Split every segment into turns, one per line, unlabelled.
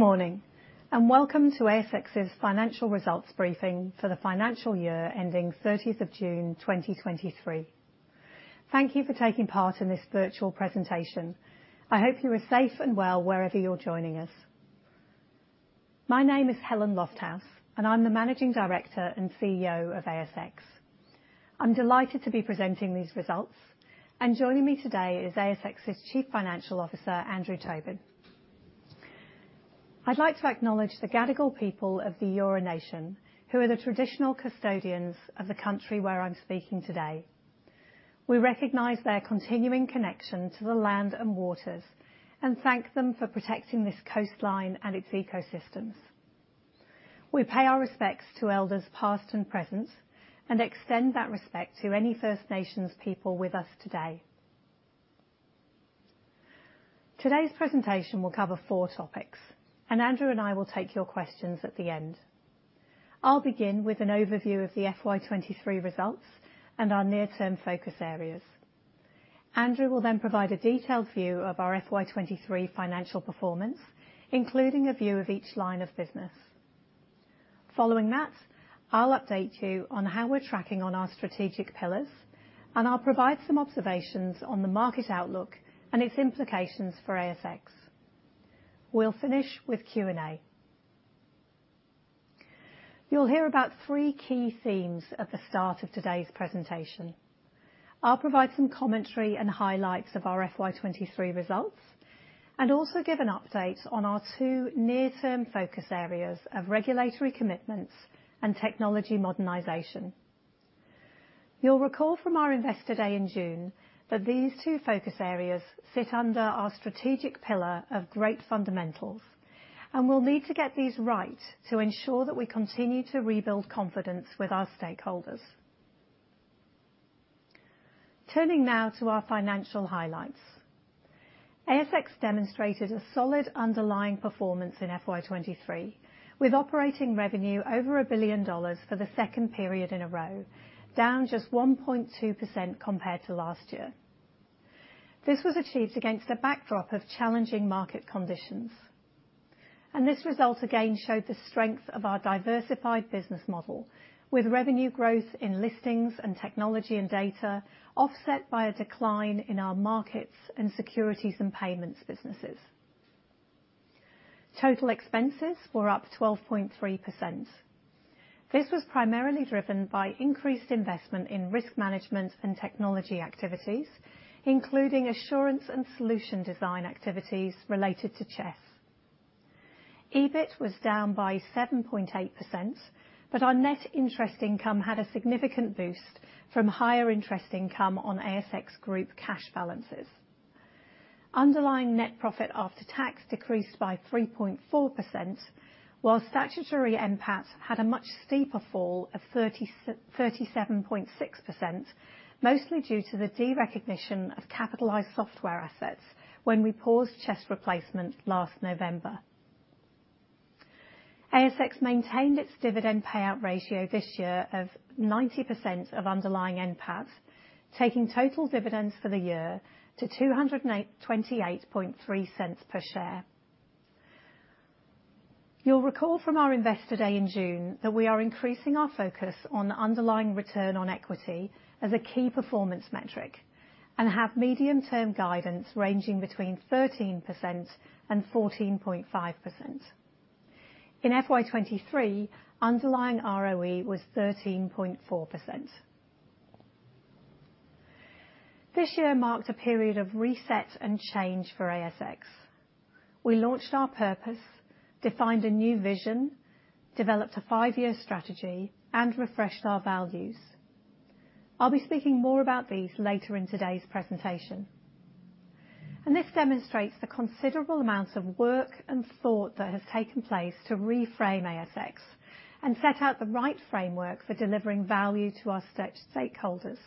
Good morning, welcome to ASX's Financial Results briefing for the financial year ending 30th of June, 2023. Thank you for taking part in this virtual presentation. I hope you are safe and well wherever you're joining us. My name is Helen Lofthouse, and I'm the Managing Director and CEO of ASX. I'm delighted to be presenting these results. Joining me today is ASX's Chief Financial Officer, Andrew Tobin. I'd like to acknowledge the Gadigal people of the Eora Nation, who are the traditional custodians of the country where I'm speaking today. We recognize their continuing connection to the land and waters, and thank them for protecting this coastline and its ecosystems. We pay our respects to elders, past and present, and extend that respect to any First Nations people with us today. Today's presentation will cover 4 topics, and Andrew and I will take your questions at the end. I'll begin with an overview of the FY 2023 results and our near-term focus areas. Andrew will provide a detailed view of our FY 2023 financial performance, including a view of each line of business. Following that, I'll update you on how we're tracking on our strategic pillars, and I'll provide some observations on the market outlook and its implications for ASX. We'll finish with Q&A. You'll hear about 3 key themes at the start of today's presentation. I'll provide some commentary and highlights of our FY 2023 results, and also give an update on our 2 near-term focus areas of regulatory commitments and technology modernization. You'll recall from our Investor Day in June, that these two focus areas sit under our strategic pillar of Great Fundamentals, and we'll need to get these right to ensure that we continue to rebuild confidence with our stakeholders. Turning now to our financial highlights. ASX demonstrated a solid underlying performance in FY 2023, with operating revenue over 1 billion dollars for the second period in a row, down just 1.2% compared to last year. This was achieved against a backdrop of challenging market conditions, this result again showed the strength of our diversified business model, with revenue growth in listings and technology and data, offset by a decline in our markets and securities and payments businesses. Total expenses were up 12.3%. This was primarily driven by increased investment in risk management and technology activities, including assurance and solution design activities related to CHESS. EBIT was down by 7.8%, but our net interest income had a significant boost from higher interest income on ASX group cash balances. Underlying net profit after tax decreased by 3.4%, while statutory NPAT had a much steeper fall of 37.6%, mostly due to the derecognition of capitalized software assets when we paused CHESS replacement last November. ASX maintained its dividend payout ratio this year of 90% of underlying NPAT, taking total dividends for the year to 2.283 per share. You'll recall from our Investor Day in June, that we are increasing our focus on underlying return on equity as a key performance metric, and have medium-term guidance ranging between 13% and 14.5%. In FY 2023, underlying ROE was 13.4%. This year marks a period of reset and change for ASX. We launched our purpose, defined a new vision, developed a five-year strategy, and refreshed our values. I'll be speaking more about these later in today's presentation. This demonstrates the considerable amounts of work and thought that has taken place to reframe ASX, and set out the right framework for delivering value to our stakeholders.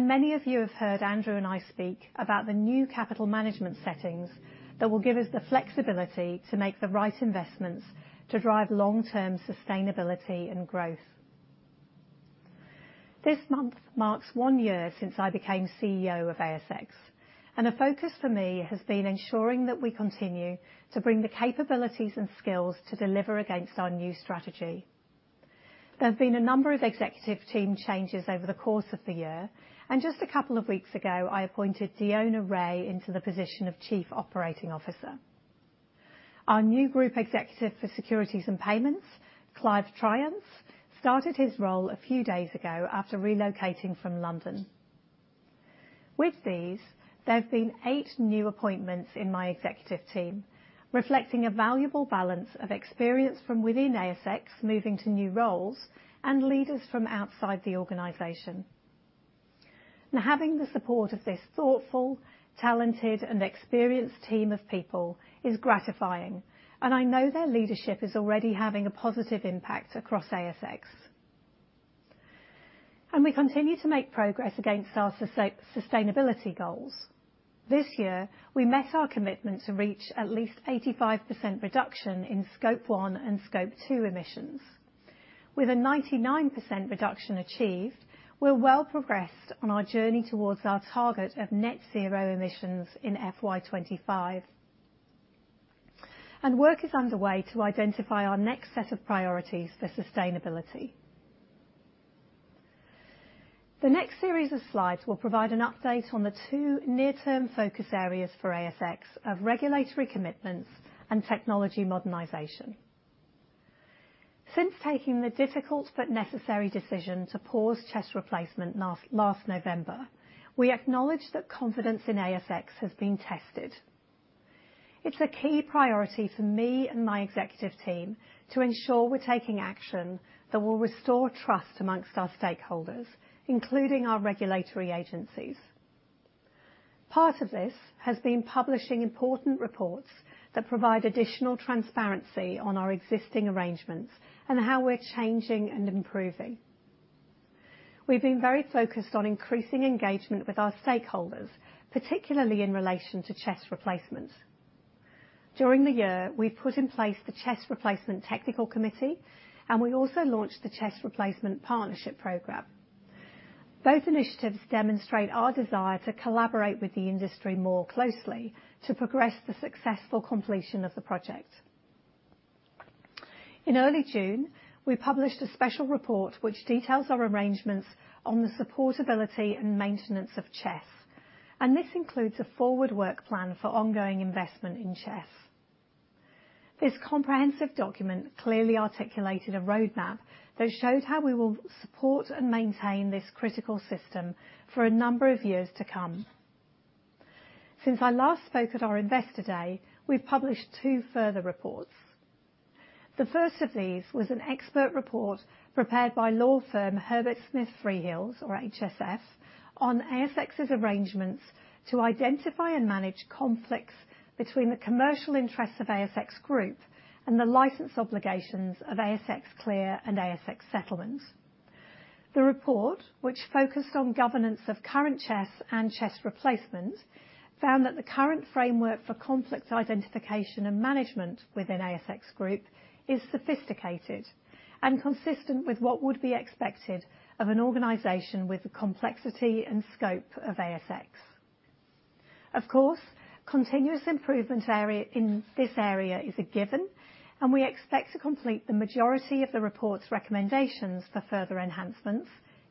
Many of you have heard Andrew and I speak about the new capital management settings that will give us the flexibility to make the right investments to drive long-term sustainability and growth. This month marks one year since I became CEO of ASX, and a focus for me has been ensuring that we continue to bring the capabilities and skills to deliver against our new strategy. There have been a number of executive team changes over the course of the year, and just a couple of weeks ago, I appointed Dionne Wray into the position of Chief Operating Officer. Our new Group Executive, Securities and Payments, Clive Triance, started his role a few days ago after relocating from London. With these, there have been eight new appointments in my executive team, reflecting a valuable balance of experience from within ASX, moving to new roles and leaders from outside the organization. Now, having the support of this thoughtful, talented, and experienced team of people is gratifying, and I know their leadership is already having a positive impact across ASX. We continue to make progress against our sustainability goals. This year, we met our commitment to reach at least 85% reduction in Scope 1 and Scope 2 emissions. With a 99% reduction achieved, we're well progressed on our journey towards our target of net zero emissions in FY 2025. Work is underway to identify our next set of priorities for sustainability. The next series of slides will provide an update on the two near-term focus areas for ASX of regulatory commitments and technology modernization. Since taking the difficult but necessary decision to pause CHESS replacement last November, we acknowledge that confidence in ASX has been tested. It's a key priority for me and my executive team to ensure we're taking action that will restore trust amongst our stakeholders, including our regulatory agencies. Part of this has been publishing important reports that provide additional transparency on our existing arrangements and how we're changing and improving. We've been very focused on increasing engagement with our stakeholders, particularly in relation to CHESS replacement. During the year, we put in place the CHESS Replacement Technical Committee. We also launched the CHESS Replacement Partnership Program. Both initiatives demonstrate our desire to collaborate with the industry more closely to progress the successful completion of the project. In early June, we published a special report which details our arrangements on the supportability and maintenance of CHESS. This includes a forward work plan for ongoing investment in CHESS. This comprehensive document clearly articulated a roadmap that shows how we will support and maintain this critical system for a number of years to come. Since I last spoke at our Investor Day, we've published two further reports. The first of these was an expert report prepared by law firm Herbert Smith Freehills, or HSF, on ASX's arrangements to identify and manage conflicts between the commercial interests of ASX group and the license obligations of ASX Clear and ASX Settlement. The report, which focused on governance of current CHESS and CHESS replacement, found that the current framework for conflict identification and management within ASX group is sophisticated and consistent with what would be expected of an organization with the complexity and scope of ASX. Of course, continuous improvement area, in this area is a given, and we expect to complete the majority of the report's recommendations for further enhancements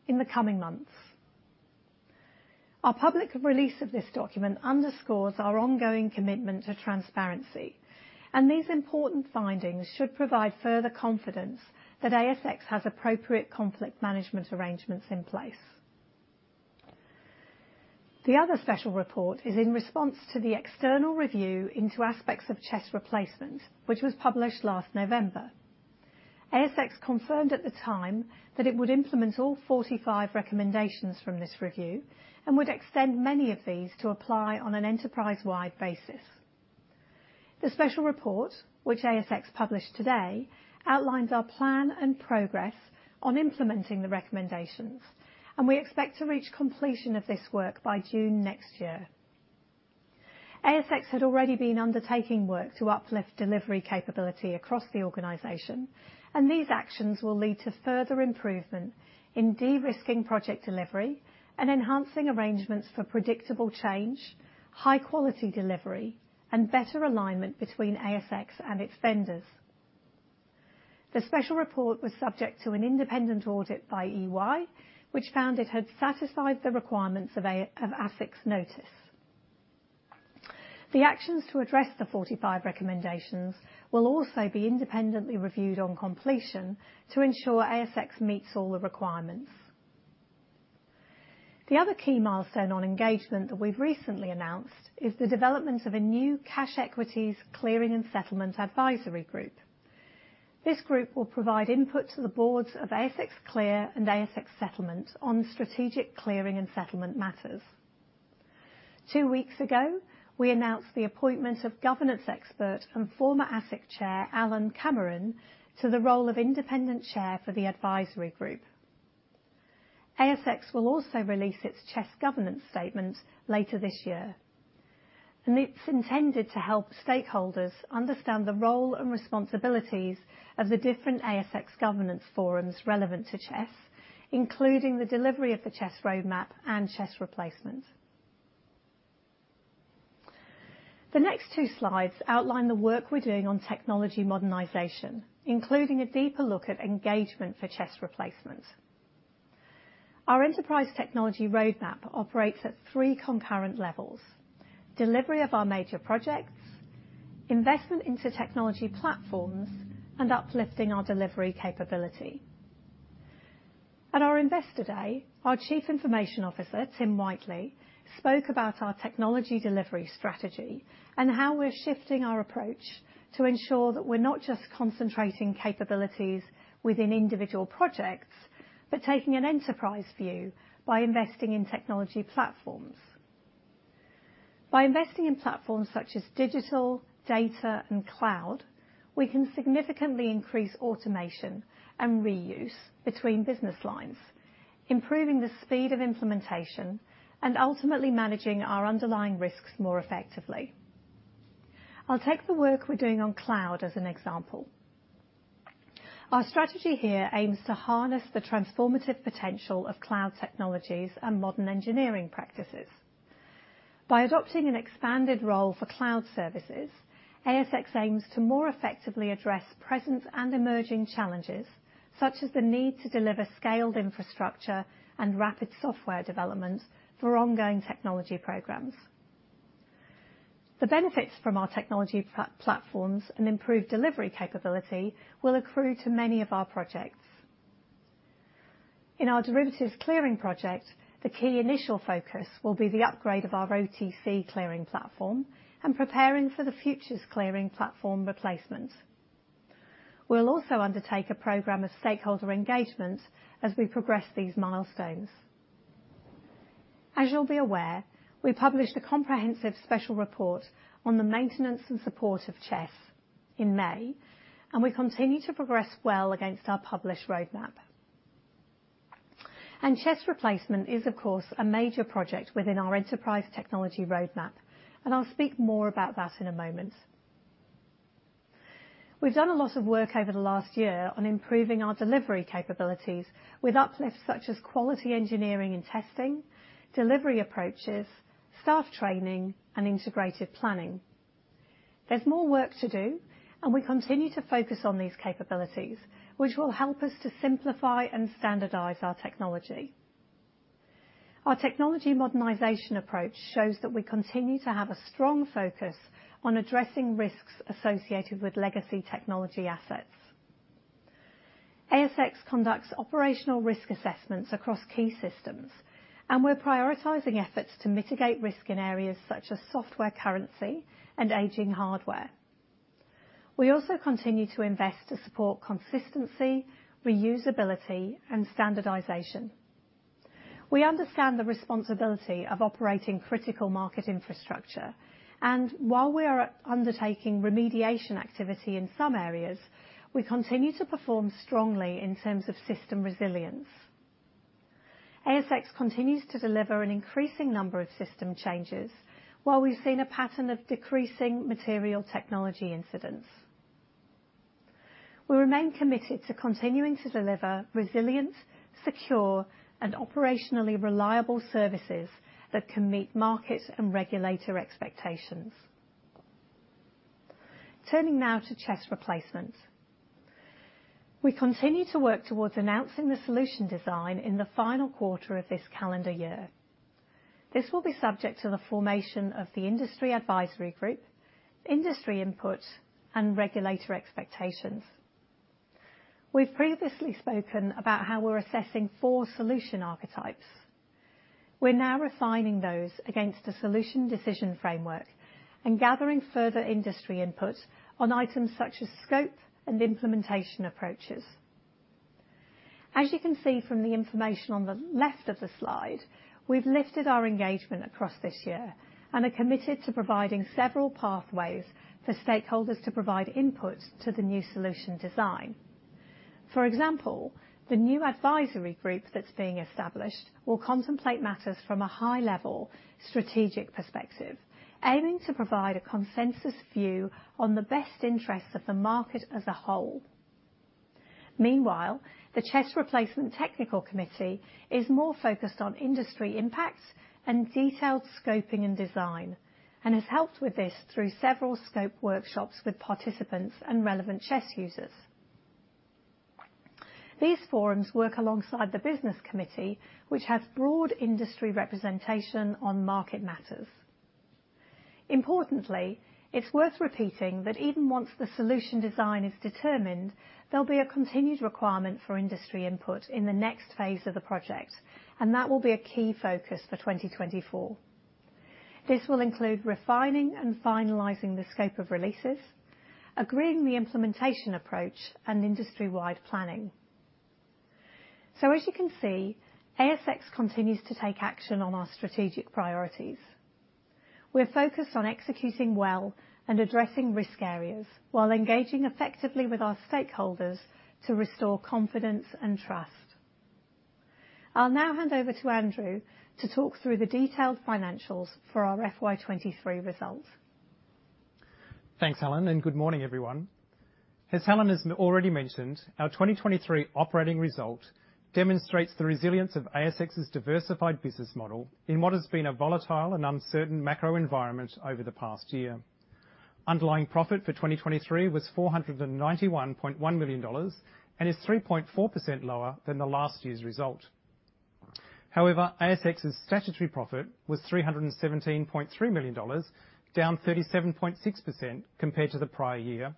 in the coming months. Our public release of this document underscores our ongoing commitment to transparency, and these important findings should provide further confidence that ASX has appropriate conflict management arrangements in place. The other special report is in response to the external review into aspects of CHESS replacement, which was published last November. ASX confirmed at the time that it would implement all 45 recommendations from this review, and would extend many of these to apply on an enterprise-wide basis. The special report, which ASX published today, outlines our plan and progress on implementing the recommendations, and we expect to reach completion of this work by June next year. ASX had already been undertaking work to uplift delivery capability across the organization, and these actions will lead to further improvement in de-risking project delivery and enhancing arrangements for predictable change, high-quality delivery, and better alignment between ASX and its vendors. The special report was subject to an independent audit by EY, which found it had satisfied the requirements of ASX notice. The actions to address the 45 recommendations will also be independently reviewed on completion to ensure ASX meets all the requirements. The other key milestone on engagement that we've recently announced is the development of a new Cash Equities Clearing and Settlement Advisory Group. This group will provide input to the boards of ASX Clear and ASX Settlement on strategic clearing and settlement matters. Two weeks ago, we announced the appointment of governance expert and former ASIC chair, Alan Cameron, to the role of independent chair for the advisory group. ASX will also release its CHESS Governance Statement later this year, and it's intended to help stakeholders understand the role and responsibilities of the different ASX governance forums relevant to CHESS, including the delivery of the CHESS roadmap and CHESS Replacement. The next two slides outline the work we're doing on technology modernization, including a deeper look at engagement for CHESS replacement. Our enterprise technology roadmap operates at three concurrent levels: delivery of our major projects, investment into technology platforms, and uplifting our delivery capability. At our Investor Day, our Chief Information Officer, Tim Whiteley, spoke about our technology delivery strategy and how we're shifting our approach to ensure that we're not just concentrating capabilities within individual projects, but taking an enterprise view by investing in technology platforms. By investing in platforms such as digital, data, and cloud, we can significantly increase automation and reuse between business lines, improving the speed of implementation and ultimately managing our underlying risks more effectively. I'll take the work we're doing on cloud as an example. Our strategy here aims to harness the transformative potential of cloud technologies and modern engineering practices. By adopting an expanded role for cloud services, ASX aims to more effectively address present and emerging challenges, such as the need to deliver scaled infrastructure and rapid software development for ongoing technology programs. The benefits from our technology platforms and improved delivery capability will accrue to many of our projects. In our derivatives clearing project, the key initial focus will be the upgrade of our OTC clearing platform and preparing for the futures clearing platform replacement. We'll also undertake a program of stakeholder engagement as we progress these milestones. As you'll be aware, we published a comprehensive special report on the maintenance and support of CHESS in May. We continue to progress well against our published roadmap. CHESS replacement is, of course, a major project within our enterprise technology roadmap. I'll speak more about that in a moment. We've done a lot of work over the last year on improving our delivery capabilities, with uplifts such as quality engineering and testing, delivery approaches, staff training, and integrated planning. There's more work to do, and we continue to focus on these capabilities, which will help us to simplify and standardize our technology. Our technology modernization approach shows that we continue to have a strong focus on addressing risks associated with legacy technology assets. ASX conducts operational risk assessments across key systems, and we're prioritizing efforts to mitigate risk in areas such as software currency and aging hardware. We also continue to invest to support consistency, reusability, and standardization. We understand the responsibility of operating critical market infrastructure, and while we are undertaking remediation activity in some areas, we continue to perform strongly in terms of system resilience. ASX continues to deliver an increasing number of system changes, while we've seen a pattern of decreasing material technology incidents. We remain committed to continuing to deliver resilient, secure, and operationally reliable services that can meet market and regulator expectations. Turning now to CHESS replacement. We continue to work towards announcing the solution design in the final quarter of this calendar year. This will be subject to the formation of the Industry Advisory Group, industry input, and regulator expectations. We've previously spoken about how we're assessing four solution archetypes. We're now refining those against a solution decision framework and gathering further industry input on items such as scope and implementation approaches. As you can see from the information on the left of the slide, we've lifted our engagement across this year and are committed to providing several pathways for stakeholders to provide input to the new solution design. For example, the new Advisory Group that's being established will contemplate matters from a high-level, strategic perspective, aiming to provide a consensus view on the best interests of the market as a whole. Meanwhile, the CHESS Replacement Technical Committee is more focused on industry impacts and detailed scoping and design, and has helped with this through several scope workshops with participants and relevant CHESS users. These forums work alongside the Business Committee, which has broad industry representation on market matters. Importantly, it's worth repeating that even once the solution design is determined, there'll be a continued requirement for industry input in the next phase of the project, and that will be a key focus for 2024. This will include refining and finalizing the scope of releases, agreeing the implementation approach, and industry-wide planning. As you can see, ASX continues to take action on our strategic priorities. We're focused on executing well and addressing risk areas, while engaging effectively with our stakeholders to restore confidence and trust. I'll now hand over to Andrew to talk through the detailed financials for our FY 2023 results.
Thanks, Helen, good morning, everyone. As Helen has already mentioned, our 2023 operating result demonstrates the resilience of ASX's diversified business model in what has been a volatile and uncertain macro environment over the past year. Underlying profit for 2023 was 491.1 million dollars, and is 3.4% lower than the last year's result. ASX's statutory profit was 317.3 million dollars, down 37.6% compared to the prior year,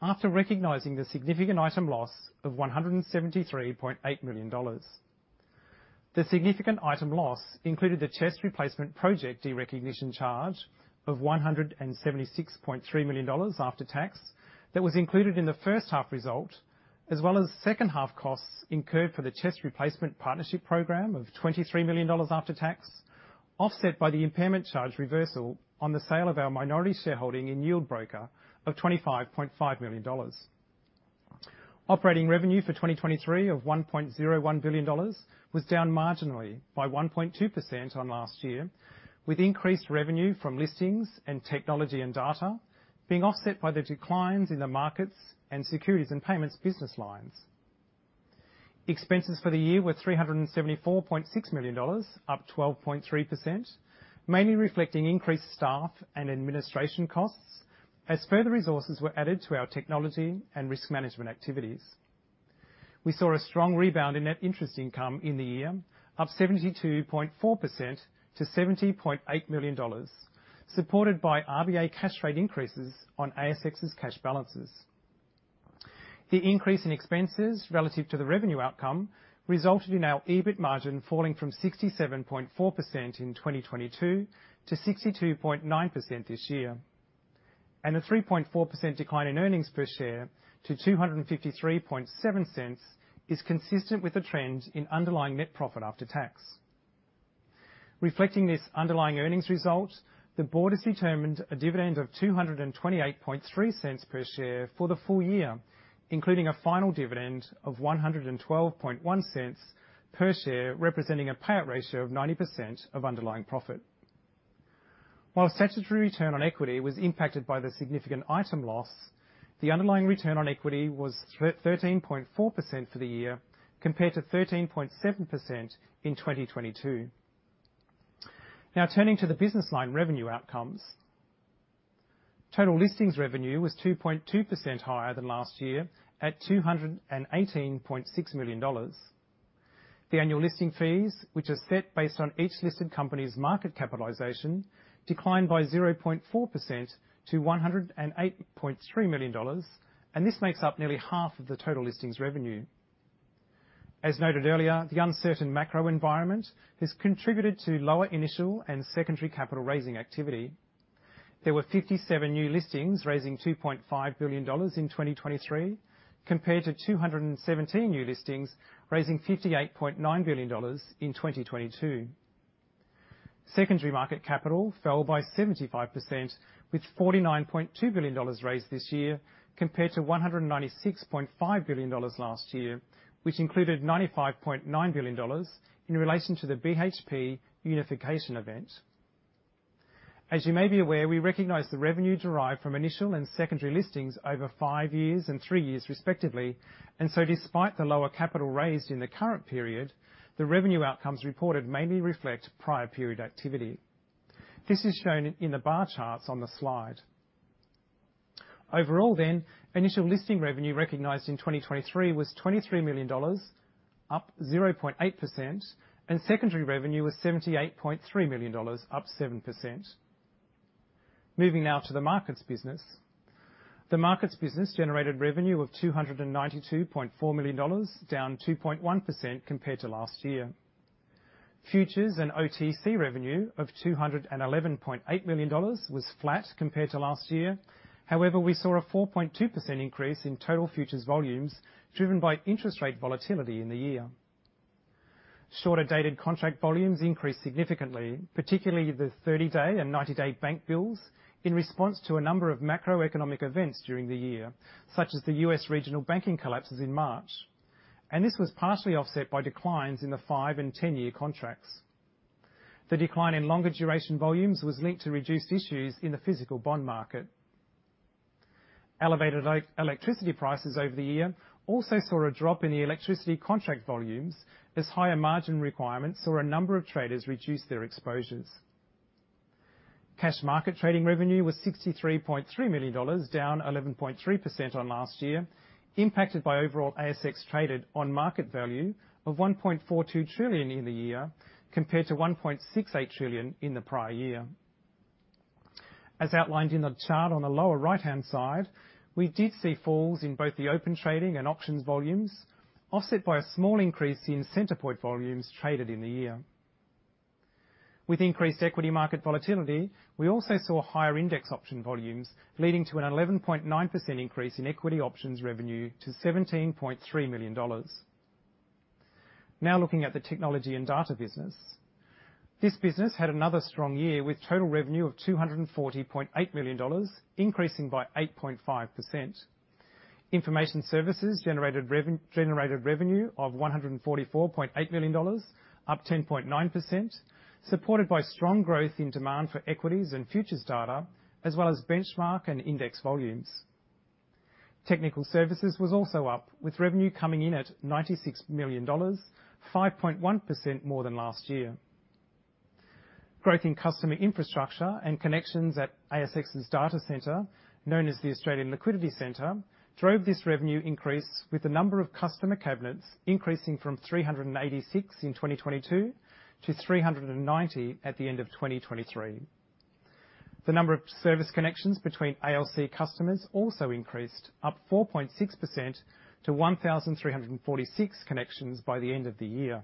after recognizing the significant item loss of 173.8 million dollars. The significant item loss included the CHESS replacement project, derecognition charge of 176.3 million dollars after tax. That was included in the first half result, as well as second half costs incurred for the CHESS Replacement Partnership Program of 23 million dollars after tax, offset by the impairment charge reversal on the sale of our minority shareholding in Yieldbroker of 25.5 million dollars. Operating revenue for 2023 of 1.01 billion dollars was down marginally by 1.2% on last year, with increased revenue from listings and technology and data being offset by the declines in the markets and securities and payments business lines. Expenses for the year were 374.6 million dollars, up 12.3%, mainly reflecting increased staff and administration costs, as further resources were added to our technology and risk management activities. We saw a strong rebound in net interest income in the year, up 72.4% to 70.8 million dollars, supported by RBA cash rate increases on ASX's cash balances. The increase in expenses relative to the revenue outcome resulted in our EBIT margin falling from 67.4% in 2022 to 62.9% this year, and a 3.4% decline in earnings per share to 2.537 is consistent with the trend in underlying net profit after tax. Reflecting this underlying earnings result, the board has determined a dividend of 2.283 per share for the full year, including a final dividend of 1.121 per share, representing a payout ratio of 90% of underlying profit. While statutory return on equity was impacted by the significant item loss, the underlying return on equity was 13.4% for the year, compared to 13.7% in 2022. Turning to the business line revenue outcomes. Total listings revenue was 2.2% higher than last year, at 218.6 million dollars. The annual listing fees, which are set based on each listed company's market capitalization, declined by 0.4% to 108.3 million dollars. This makes up nearly half of the total listings revenue. As noted earlier, the uncertain macro environment has contributed to lower initial and secondary capital raising activity. There were 57 new listings, raising 2.5 billion dollars in 2023, compared to 217 new listings, raising 58.9 billion dollars in 2022. Secondary market capital fell by 75%, with 49.2 billion dollars raised this year, compared to 196.5 billion dollars last year, which included 95.9 billion dollars in relation to the BHP unification event. As you may be aware, we recognize the revenue derived from initial and secondary listings over five years and three years, respectively. Despite the lower capital raised in the current period, the revenue outcomes reported mainly reflect prior period activity. This is shown in the bar charts on the slide. Overall, then, initial listing revenue recognized in 2023 was 23 million dollars, up 0.8%, and secondary revenue was 78.3 million dollars, up 7%. Moving now to the markets business. The markets business generated revenue of 292.4 million dollars, down 2.1% compared to last year. Futures and OTC revenue of 211.8 million dollars was flat compared to last year. However, we saw a 4.2% increase in total futures volumes, driven by interest rate volatility in the year. Shorter-dated contract volumes increased significantly, particularly the 30-day and 90-day bank bills, in response to a number of macroeconomic events during the year, such as the US regional banking collapses in March, and this was partially offset by declines in the 5- and 10-year contracts. The decline in longer duration volumes was linked to reduced issues in the physical bond market. Elevated electricity prices over the year also saw a drop in the electricity contract volumes, as higher margin requirements saw a number of traders reduce their exposures. Cash market trading revenue was 63.3 million dollars, down 11.3% on last year, impacted by overall ASX traded on market value of 1.42 trillion in the year, compared to 1.68 trillion in the prior year. As outlined in the chart on the lower right-hand side, we did see falls in both the open trading and options volumes, offset by a small increase in Centre Point volumes traded in the year. With increased equity market volatility, we also saw higher index option volumes, leading to an 11.9% increase in equity options revenue to 17.3 million dollars. Now, looking at the technology and data business. This business had another strong year, with total revenue of 240.8 million dollars, increasing by 8.5%. Information services generated revenue of 144.8 million dollars, up 10.9%, supported by strong growth in demand for equities and futures data, as well as benchmark and index volumes. Technical services was also up, with revenue coming in at 96 million dollars, 5.1% more than last year. Growth in customer infrastructure and connections at ASX's data center, known as the Australian Liquidity Centre, drove this revenue increase, with the number of customer cabinets increasing from 386 in 2022 to 390 at the end of 2023. The number of service connections between ALC customers also increased, up 4.6% to 1,346 connections by the end of the year.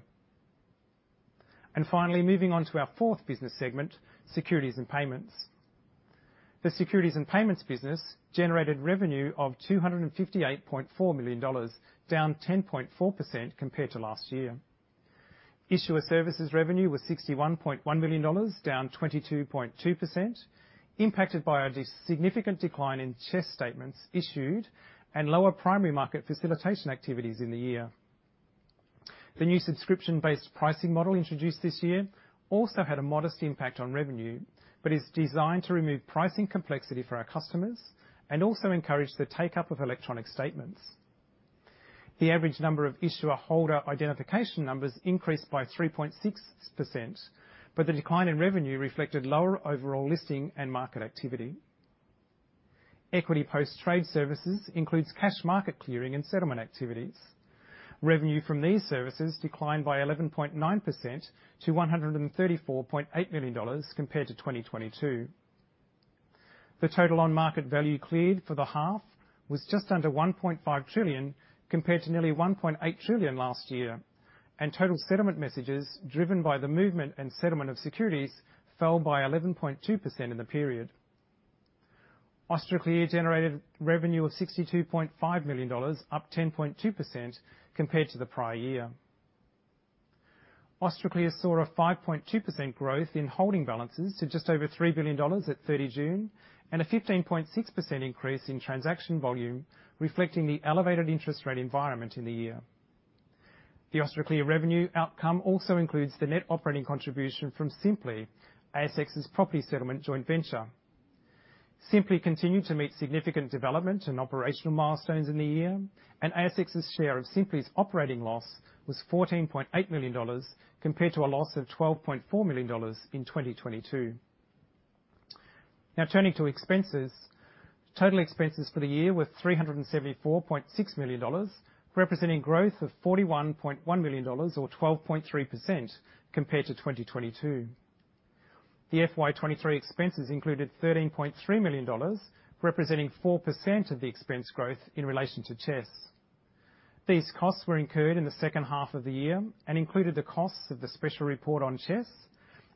Finally, moving on to our fourth business segment, Securities and Payments. The Securities and Payments business generated revenue of 258.4 million dollars, down 10.4% compared to last year. Issuer services revenue was 61.1 million dollars, down 22.2%, impacted by a significant decline in CHESS statements issued and lower primary market facilitation activities in the year. The new subscription-based pricing model introduced this year also had a modest impact on revenue, is designed to remove pricing complexity for our customers and also encourage the take-up of electronic statements. The average number of issuer Holder Identification Numbers increased by 3.6%, but the decline in revenue reflected lower overall listing and market activity. Equity post-trade services includes cash market clearing and settlement activities. Revenue from these services declined by 11.9% to 134.8 million dollars compared to 2022. The total on-market value cleared for the half was just under 1.5 trillion, compared to nearly 1.8 trillion last year, and total settlement messages, driven by the movement and settlement of securities, fell by 11.2% in the period. Austraclear generated revenue of 62.5 million dollars, up 10.2% compared to the prior year. Austraclear saw a 5.2% growth in holding balances to just over 3 billion dollars at 30 June, and a 15.6% increase in transaction volume, reflecting the elevated interest rate environment in the year. The Austraclear revenue outcome also includes the net operating contribution from Sympli, ASX's property settlement joint venture. Sympli continued to meet significant development and operational milestones in the year, and ASX's share of Sympli's operating loss was 14.8 million dollars, compared to a loss of 12.4 million dollars in 2022. Now, turning to expenses. Total expenses for the year were AUD 374.6 million, representing growth of AUD 41.1 million or 12.3% compared to 2022. The FY 2023 expenses included 13.3 million dollars, representing 4% of the expense growth in relation to CHESS. These costs were incurred in the second half of the year and included the costs of the special report on CHESS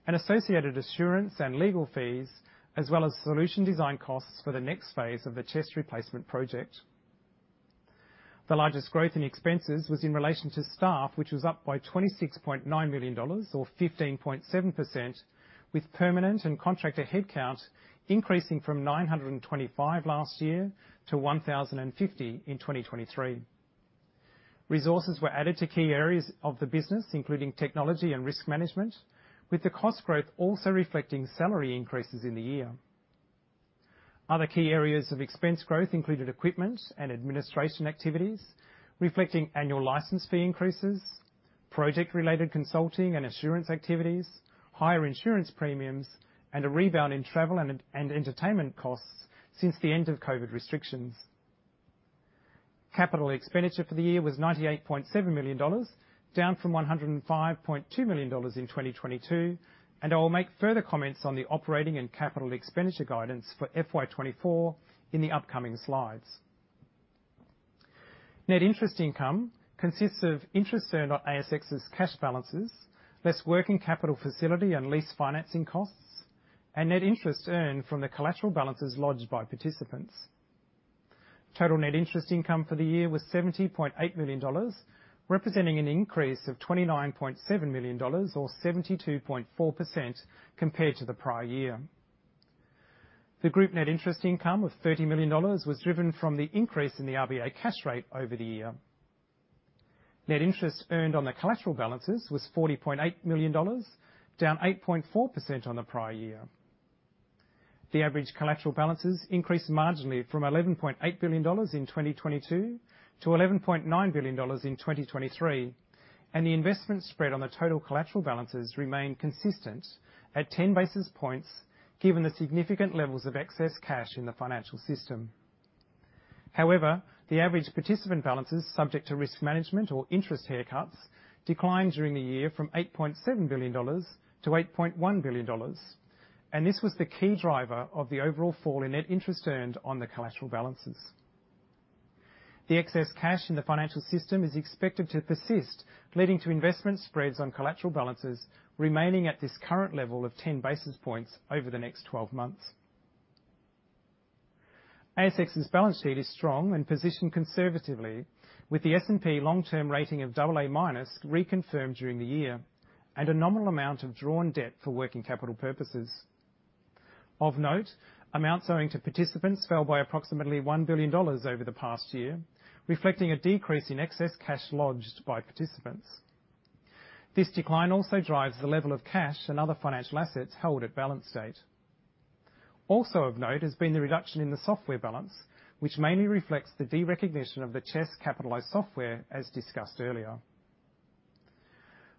and associated assurance and legal fees, as well as solution design costs for the next phase of the CHESS replacement project. The largest growth in expenses was in relation to staff, which was up by 26.9 million dollars or 15.7%, with permanent and contractor headcount increasing from 925 last year to 1,050 in 2023. Resources were added to key areas of the business, including technology and risk management, with the cost growth also reflecting salary increases in the year. Other key areas of expense growth included equipment and administration activities, reflecting annual license fee increases, project-related consulting and assurance activities, higher insurance premiums, and entertainment costs since the end of COVID restrictions. CapEx for the year was 98.7 million dollars, down from 105.2 million dollars in 2022. I will make further comments on the operating and CapEx guidance for FY 2024 in the upcoming slides. Net interest income consists of interest earned on ASX's cash balances, less working capital facility and lease financing costs, and net interest earned from the collateral balances lodged by participants. Total net interest income for the year was 70.8 million dollars, representing an increase of 29.7 million dollars or 72.4% compared to the prior year. The group net interest income of 30 million dollars was driven from the increase in the RBA cash rate over the year. Net interest earned on the collateral balances was 40.8 million dollars, down 8.4% on the prior year. The average collateral balances increased marginally from 11.8 billion dollars in 2022 to 11.9 billion dollars in 2023, and the investment spread on the total collateral balances remained consistent at 10 basis points, given the significant levels of excess cash in the financial system. However, the average participant balances subject to risk management or interest haircuts declined during the year from 8.7 billion dollars to 8.1 billion dollars, and this was the key driver of the overall fall in net interest earned on the collateral balances. The excess cash in the financial system is expected to persist, leading to investment spreads on collateral balances remaining at this current level of 10 basis points over the next 12 months. ASX's balance sheet is strong and positioned conservatively, with the S&P long-term rating of AA- reconfirmed during the year, and a nominal amount of drawn debt for working capital purposes. Of note, amounts owing to participants fell by approximately 1 billion dollars over the past year, reflecting a decrease in excess cash lodged by participants. This decline also drives the level of cash and other financial assets held at balance date. Also of note, has been the reduction in the software balance, which mainly reflects the derecognition of the CHESS capitalized software, as discussed earlier.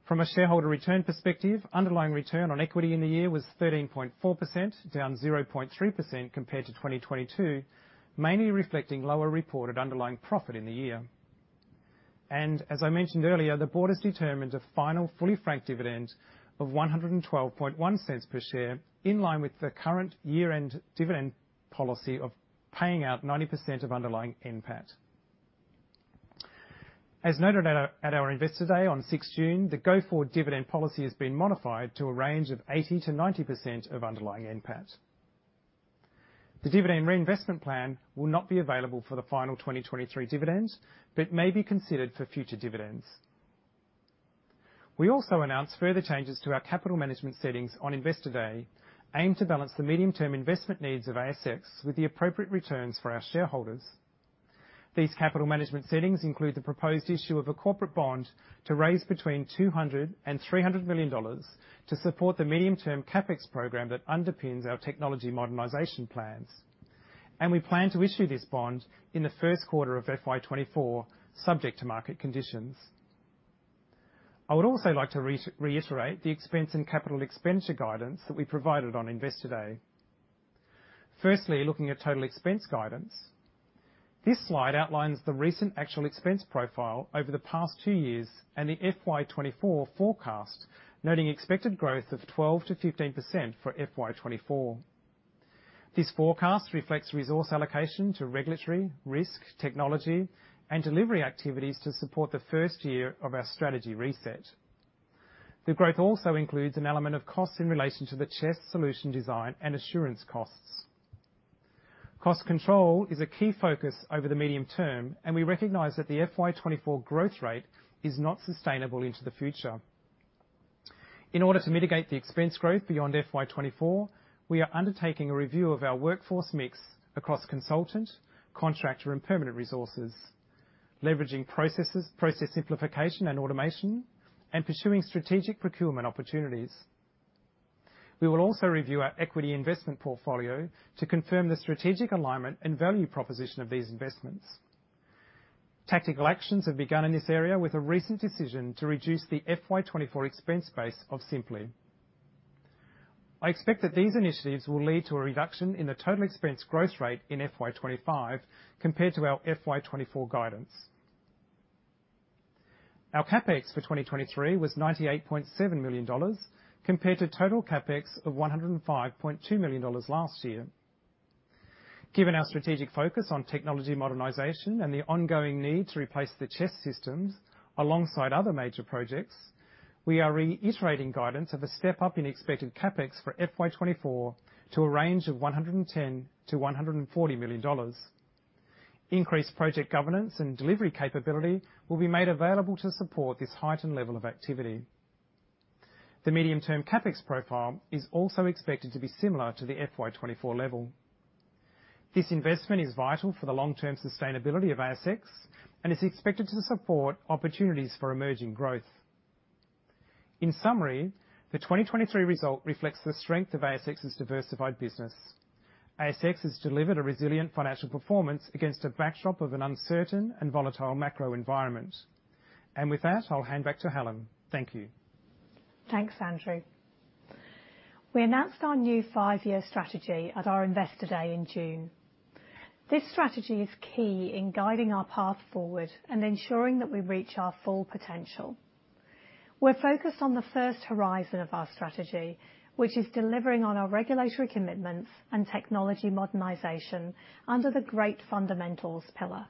From a shareholder return perspective, underlying return on equity in the year was 13.4%, down 0.3% compared to 2022, mainly reflecting lower reported underlying profit in the year. As I mentioned earlier, the board has determined a final fully franked dividend of 1.121 per share, in line with the current year-end dividend policy of paying out 90% of underlying NPAT. As noted at our Investor Day on 6 June, the go-forward dividend policy has been modified to a range of 80%-90% of underlying NPAT. The dividend reinvestment plan will not be available for the final 2023 dividend, but may be considered for future dividends. We also announced further changes to our capital management settings on Investor Day, aimed to balance the medium-term investment needs of ASX with the appropriate returns for our shareholders. These capital management settings include the proposed issue of a corporate bond to raise between 200 million dollars and AUD 300 million to support the medium-term CapEx program that underpins our technology modernization plans, and we plan to issue this bond in the Q1 of FY 2024, subject to market conditions. I would also like to reiterate the expense and capital expenditure guidance that we provided on Investor Day. Firstly, looking at total expense guidance, this slide outlines the recent actual expense profile over the past 2 years and the FY 2024 forecast, noting expected growth of 12%-15% for FY 2024. This forecast reflects resource allocation to regulatory, risk, technology, and delivery activities to support the first year of our strategy reset. The growth also includes an element of costs in relation to the CHESS solution design and assurance costs. Cost control is a key focus over the medium term. We recognize that the FY 2024 growth rate is not sustainable into the future. In order to mitigate the expense growth beyond FY 2024, we are undertaking a review of our workforce mix across consultant, contractor, and permanent resources, leveraging processes, process simplification and automation, and pursuing strategic procurement opportunities. We will also review our equity investment portfolio to confirm the strategic alignment and value proposition of these investments. Tactical actions have begun in this area, with a recent decision to reduce the FY 2024 expense base of Sympli. I expect that these initiatives will lead to a reduction in the total expense growth rate in FY 2025, compared to our FY 2024 guidance. Our CapEx for 2023 was 98.7 million dollars, compared to total CapEx of 105.2 million dollars last year. Given our strategic focus on technology modernization and the ongoing need to replace the CHESS systems, alongside other major projects, we are reiterating guidance of a step-up in expected CapEx for FY 2024 to a range of 110 million-140 million dollars. Increased project governance and delivery capability will be made available to support this heightened level of activity. The medium-term CapEx profile is also expected to be similar to the FY 2024 level. This investment is vital for the long-term sustainability of ASX and is expected to support opportunities for emerging growth. In summary, the 2023 result reflects the strength of ASX's diversified business. ASX has delivered a resilient financial performance against a backdrop of an uncertain and volatile macro environment. With that, I'll hand back to Helen. Thank you.
Thanks, Andrew. We announced our new five-year strategy at our Investor Day in June. This strategy is key in guiding our path forward and ensuring that we reach our full potential. We're focused on the first horizon of our strategy, which is delivering on our regulatory commitments and technology modernization under the Great Fundamentals pillar.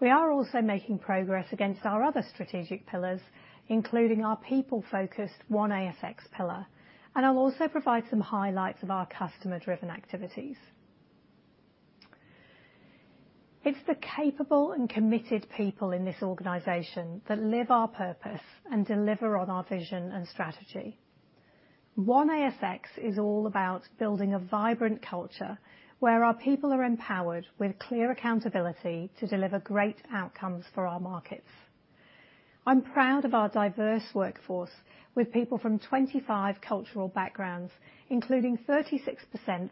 We are also making progress against our other strategic pillars, including our people-focused One ASX pillar, and I'll also provide some highlights of our customer-driven activities. It's the capable and committed people in this organization that live our purpose and deliver on our vision and strategy. One ASX is all about building a vibrant culture, where our people are empowered with clear accountability to deliver great outcomes for our markets. I'm proud of our diverse workforce, with people from 25 cultural backgrounds, including 36%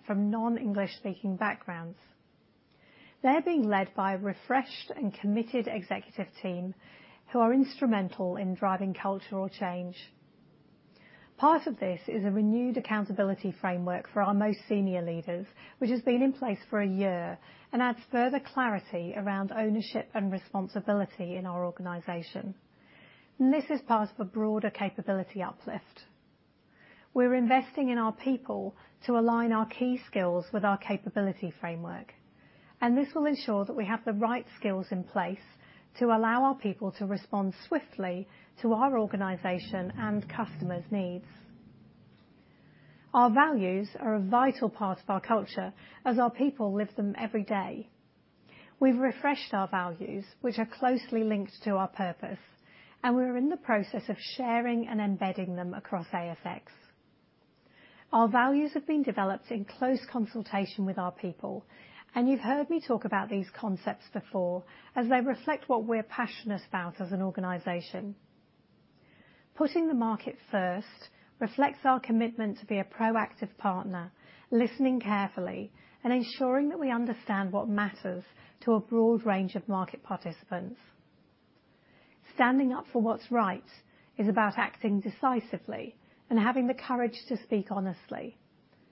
from non-English speaking backgrounds. They're being led by a refreshed and committed executive team, who are instrumental in driving cultural change. Part of this is a renewed accountability framework for our most senior leaders, which has been in place for a year and adds further clarity around ownership and responsibility in our organization. This is part of a broader capability uplift. We're investing in our people to align our key skills with our capability framework, and this will ensure that we have the right skills in place to allow our people to respond swiftly to our organization and customers' needs. Our values are a vital part of our culture, as our people live them every day. We've refreshed our values, which are closely linked to our purpose, and we're in the process of sharing and embedding them across ASX. Our values have been developed in close consultation with our people, and you've heard me talk about these concepts before, as they reflect what we're passionate about as an organization. Putting the market first reflects our commitment to be a proactive partner, listening carefully and ensuring that we understand what matters to a broad range of market participants. Standing up for what's right is about acting decisively and having the courage to speak honestly.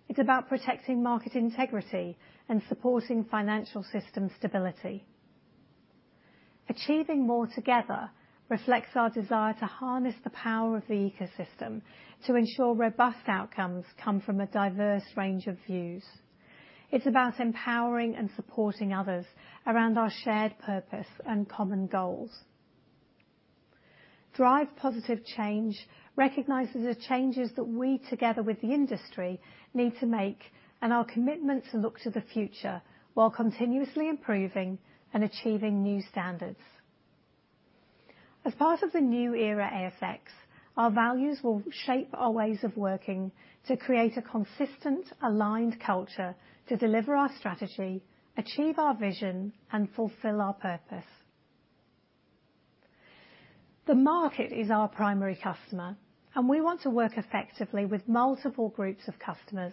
It's about protecting market integrity and supporting financial system stability. Achieving more together reflects our desire to harness the power of the ecosystem, to ensure robust outcomes come from a diverse range of views. It's about empowering and supporting others around our shared purpose and common goals.... Drive positive change, recognizes the changes that we, together with the industry, need to make, and our commitment to look to the future while continuously improving and achieving new standards. As part of the new era ASX, our values will shape our ways of working to create a consistent, aligned culture to deliver our strategy, achieve our vision, and fulfill our purpose. The market is our primary customer, and we want to work effectively with multiple groups of customers,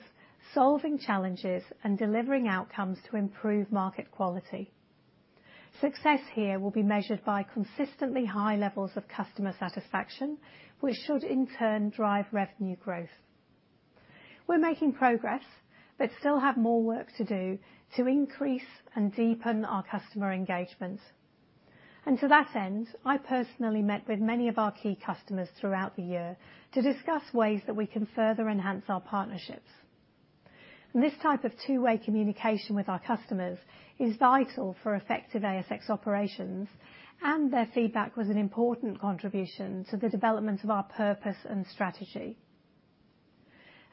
solving challenges and delivering outcomes to improve market quality. Success here will be measured by consistently high levels of customer satisfaction, which should in turn drive revenue growth. We're making progress, but still have more work to do to increase and deepen our customer engagement. To that end, I personally met with many of our key customers throughout the year to discuss ways that we can further enhance our partnerships. This type of two-way communication with our customers is vital for effective ASX operations, and their feedback was an important contribution to the development of our purpose and strategy.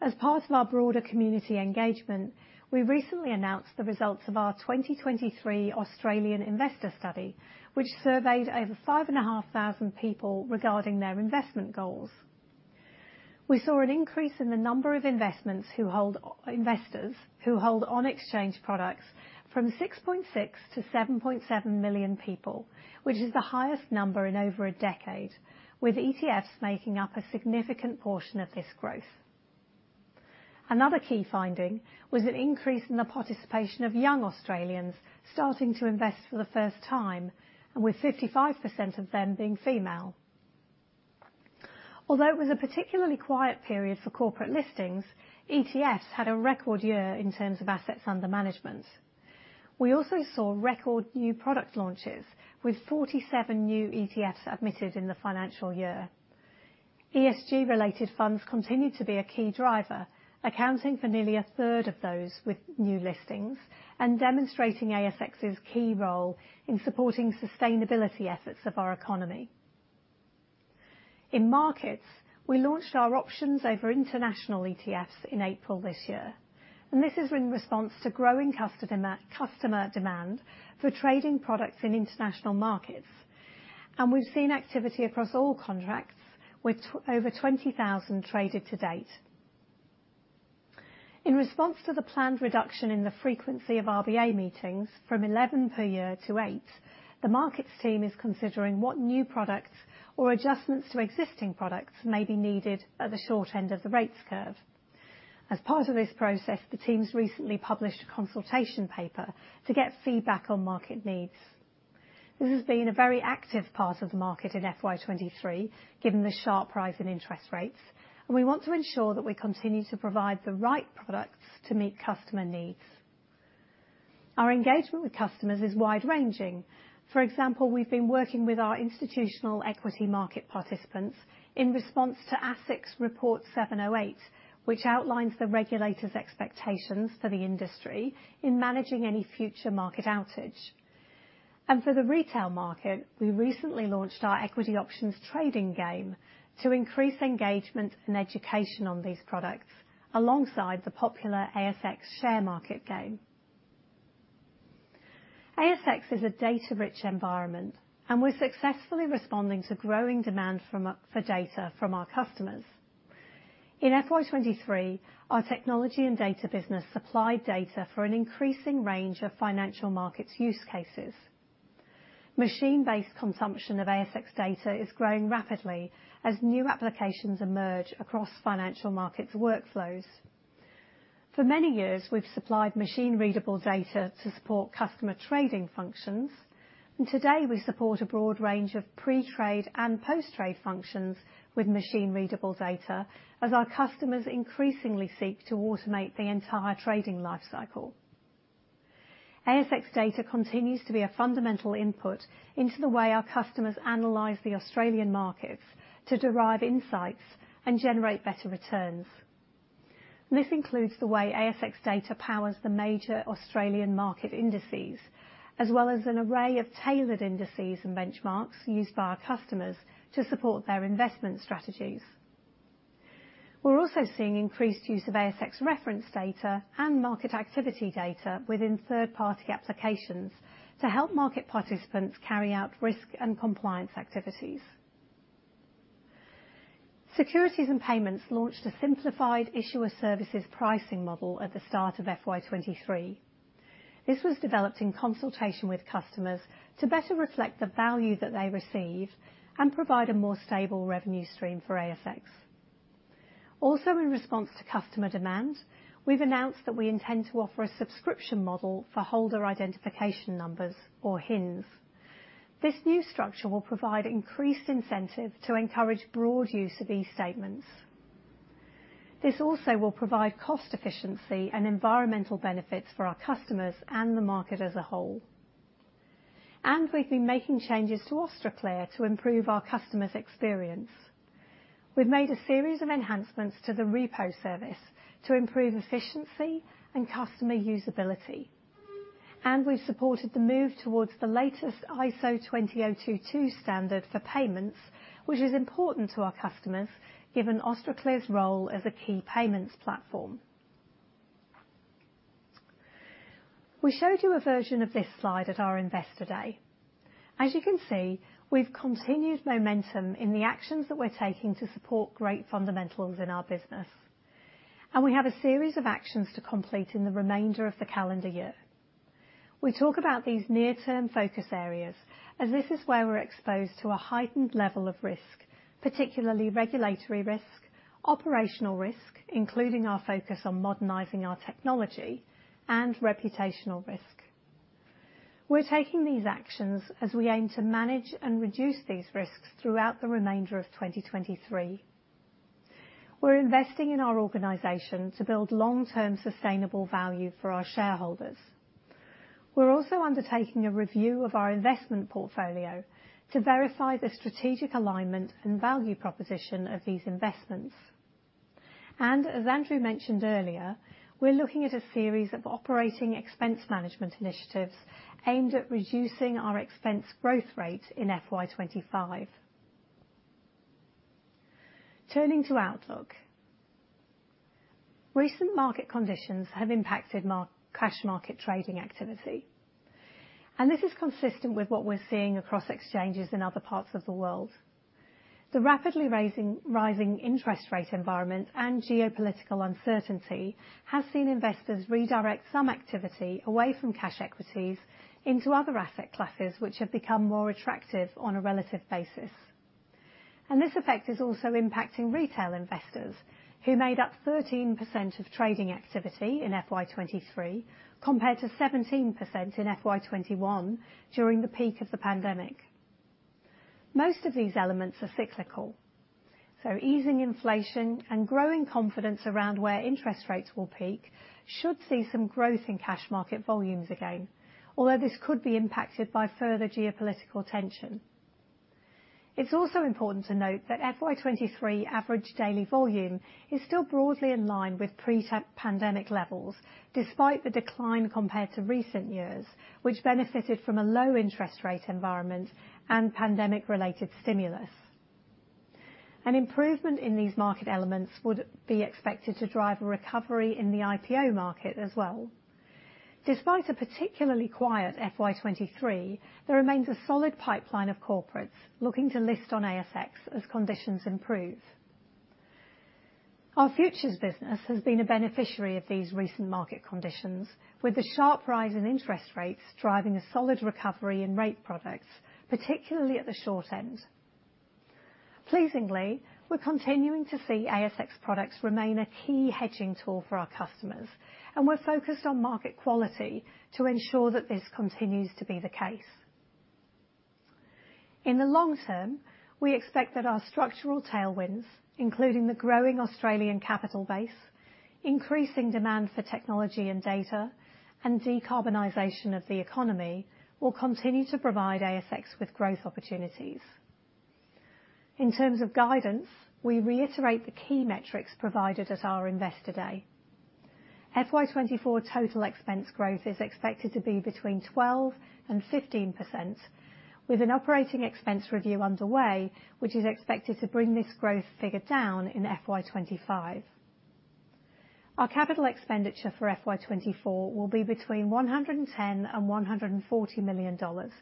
As part of our broader community engagement, we recently announced the results of our 2023 Australian Investor Study, which surveyed over 5,500 people regarding their investment goals. We saw an increase in the number of investors who hold on-exchange products from 6.6 to 7.7 million people, which is the highest number in over a decade, with ETFs making up a significant portion of this growth. Another key finding was an increase in the participation of young Australians starting to invest for the first time, and with 55% of them being female. Although it was a particularly quiet period for corporate listings, ETFs had a record year in terms of assets under management. We also saw record new product launches, with 47 new ETFs admitted in the financial year. ESG-related funds continued to be a key driver, accounting for nearly a third of those with new listings, demonstrating ASX's key role in supporting sustainability efforts of our economy. In markets, we launched our options over international ETFs in April this year. This is in response to growing customer demand for trading products in international markets. We've seen activity across all contracts, with over 20,000 traded to date. In response to the planned reduction in the frequency of RBA meetings from 11 per year to 8, the markets team is considering what new products or adjustments to existing products may be needed at the short end of the rates curve. As part of this process, the teams recently published a consultation paper to get feedback on market needs. This has been a very active part of the market in FY 2023, given the sharp rise in interest rates, and we want to ensure that we continue to provide the right products to meet customer needs. Our engagement with customers is wide-ranging. For example, we've been working with our institutional equity market participants in response to ASIC Report 708, which outlines the regulator's expectations for the industry in managing any future market outage. For the retail market, we recently launched our ASX Options Trading Game to increase engagement and education on these products, alongside the popular ASX Sharemarket Game. ASX is a data-rich environment, and we're successfully responding to growing demand for data from our customers. In FY 2023, our technology and data business supplied data for an increasing range of financial markets use cases. Machine-based consumption of ASX data is growing rapidly as new applications emerge across financial markets workflows. For many years, we've supplied machine-readable data to support customer trading functions, and today we support a broad range of pre-trade and post-trade functions with machine-readable data as our customers increasingly seek to automate the entire trading life cycle. ASX data continues to be a fundamental input into the way our customers analyze the Australian markets to derive insights and generate better returns. This includes the way ASX data powers the major Australian market indices, as well as an array of tailored indices and benchmarks used by our customers to support their investment strategies. We're also seeing increased use of ASX reference data and market activity data within third-party applications to help market participants carry out risk and compliance activities. Securities and payments launched a simplified issuer services pricing model at the start of FY 2023. This was developed in consultation with customers to better reflect the value that they receive and provide a more stable revenue stream for ASX. Also, in response to customer demand, we've announced that we intend to offer a subscription model for holder identification numbers, or HINs. This new structure will provide increased incentive to encourage broad use of these statements. This also will provide cost efficiency and environmental benefits for our customers and the market as a whole. We've been making changes to Austraclear to improve our customers' experience. We've made a series of enhancements to the repo service to improve efficiency and customer usability. We've supported the move towards the latest ISO 20022 standard for payments, which is important to our customers, given Austraclear's role as a key payments platform. We showed you a version of this slide at our Investor Day. As you can see, we've continued momentum in the actions that we're taking to support Great Fundamentals in our business, and we have a series of actions to complete in the remainder of the calendar year. We talk about these near-term focus areas, as this is where we're exposed to a heightened level of risk, particularly regulatory risk, operational risk, including our focus on modernizing our technology, and reputational risk. We're taking these actions as we aim to manage and reduce these risks throughout the remainder of 2023. We're investing in our organization to build long-term, sustainable value for our shareholders. As Andrew mentioned earlier, we're looking at a series of operating expense management initiatives aimed at reducing our expense growth rate in FY 2025. Turning to outlook. Recent market conditions have impacted cash market trading activity, and this is consistent with what we're seeing across exchanges in other parts of the world. The rapidly raising, rising interest rate environment and geopolitical uncertainty has seen investors redirect some activity away from cash equities into other asset classes, which have become more attractive on a relative basis. This effect is also impacting retail investors, who made up 13% of trading activity in FY 2023, compared to 17% in FY21 during the peak of the pandemic. Most of these elements are cyclical. Easing inflation and growing confidence around where interest rates will peak should see some growth in cash market volumes again, although this could be impacted by further geopolitical tension. It's also important to note that FY 2023 average daily volume is still broadly in line with pre-pandemic levels, despite the decline compared to recent years, which benefited from a low interest rate environment and pandemic-related stimulus. An improvement in these market elements would be expected to drive a recovery in the IPO market as well. Despite a particularly quiet FY 2023, there remains a solid pipeline of corporates looking to list on ASX as conditions improve. Our futures business has been a beneficiary of these recent market conditions, with the sharp rise in interest rates driving a solid recovery in rate products, particularly at the short end. Pleasingly, we're continuing to see ASX products remain a key hedging tool for our customers, and we're focused on market quality to ensure that this continues to be the case. In the long term, we expect that our structural tailwinds, including the growing Australian capital base, increasing demand for technology and data, and decarbonization of the economy, will continue to provide ASX with growth opportunities. In terms of guidance, we reiterate the key metrics provided at our Investor Day. FY 2024 total OpEx growth is expected to be between 12%-15%, with an OpEx review underway, which is expected to bring this growth figure down in FY 2025. Our CapEx for FY 2024 will be between 110 million-140 million dollars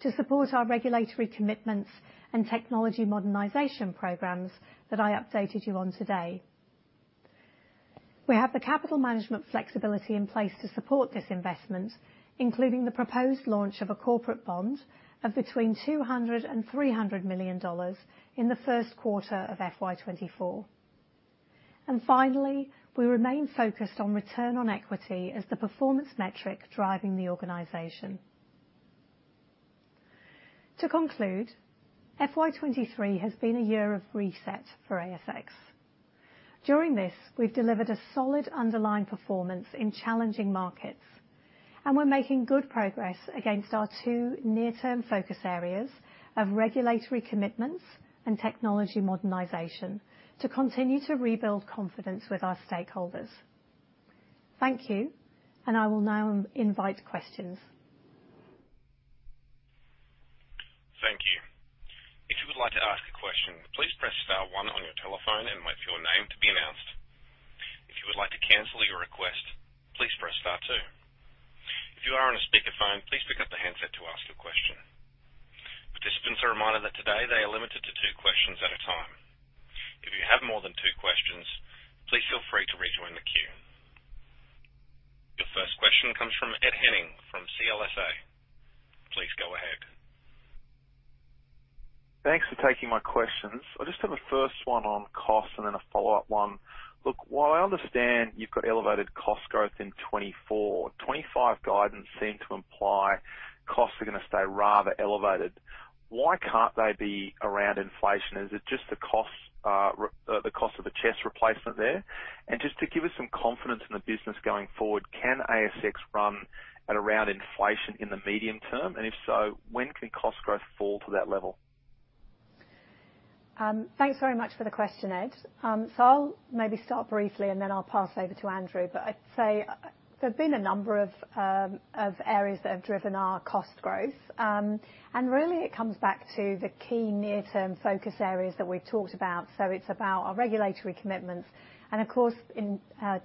to support our regulatory commitments and technology modernization programs that I updated you on today. We have the capital management flexibility in place to support this investment, including the proposed launch of a corporate bond of between 200 million-300 million dollars in the Q1 of FY 2024. Finally, we remain focused on ROE as the performance metric driving the organization. To conclude, FY 2023 has been a year of reset for ASX. During this, we've delivered a solid underlying performance in challenging markets. We're making good progress against our two near-term focus areas of regulatory commitments and technology modernization to continue to rebuild confidence with our stakeholders. Thank you. I will now invite questions.
Thank you. If you would like to ask a question, please press star one on your telephone and wait for your name to be announced. If you would like to cancel your request, please press star two. If you are on a speakerphone, please pick up the handset to ask a question. Participants are reminded that today they are limited to two questions at a time. If you have more than two questions, please feel free to rejoin the queue. Your first question comes from Ed Henning from CLSA. Please go ahead.
Thanks for taking my questions. I just have a first one on costs and then a follow-up one. Look, while I understand you've got elevated cost growth in 2024, 2025 guidance seemed to imply costs are going to stay rather elevated. Why can't they be around inflation? Is it just the cost, the cost of the CHESS replacement there? Just to give us some confidence in the business going forward, can ASX run at around inflation in the medium term? If so, when can cost growth fall to that level?
Thanks very much for the question, Ed. I'll maybe start briefly, and then I'll pass over to Andrew. I'd say, there've been a number of areas that have driven our cost growth. Really, it comes back to the key near-term focus areas that we've talked about. It's about our regulatory commitments, and of course, in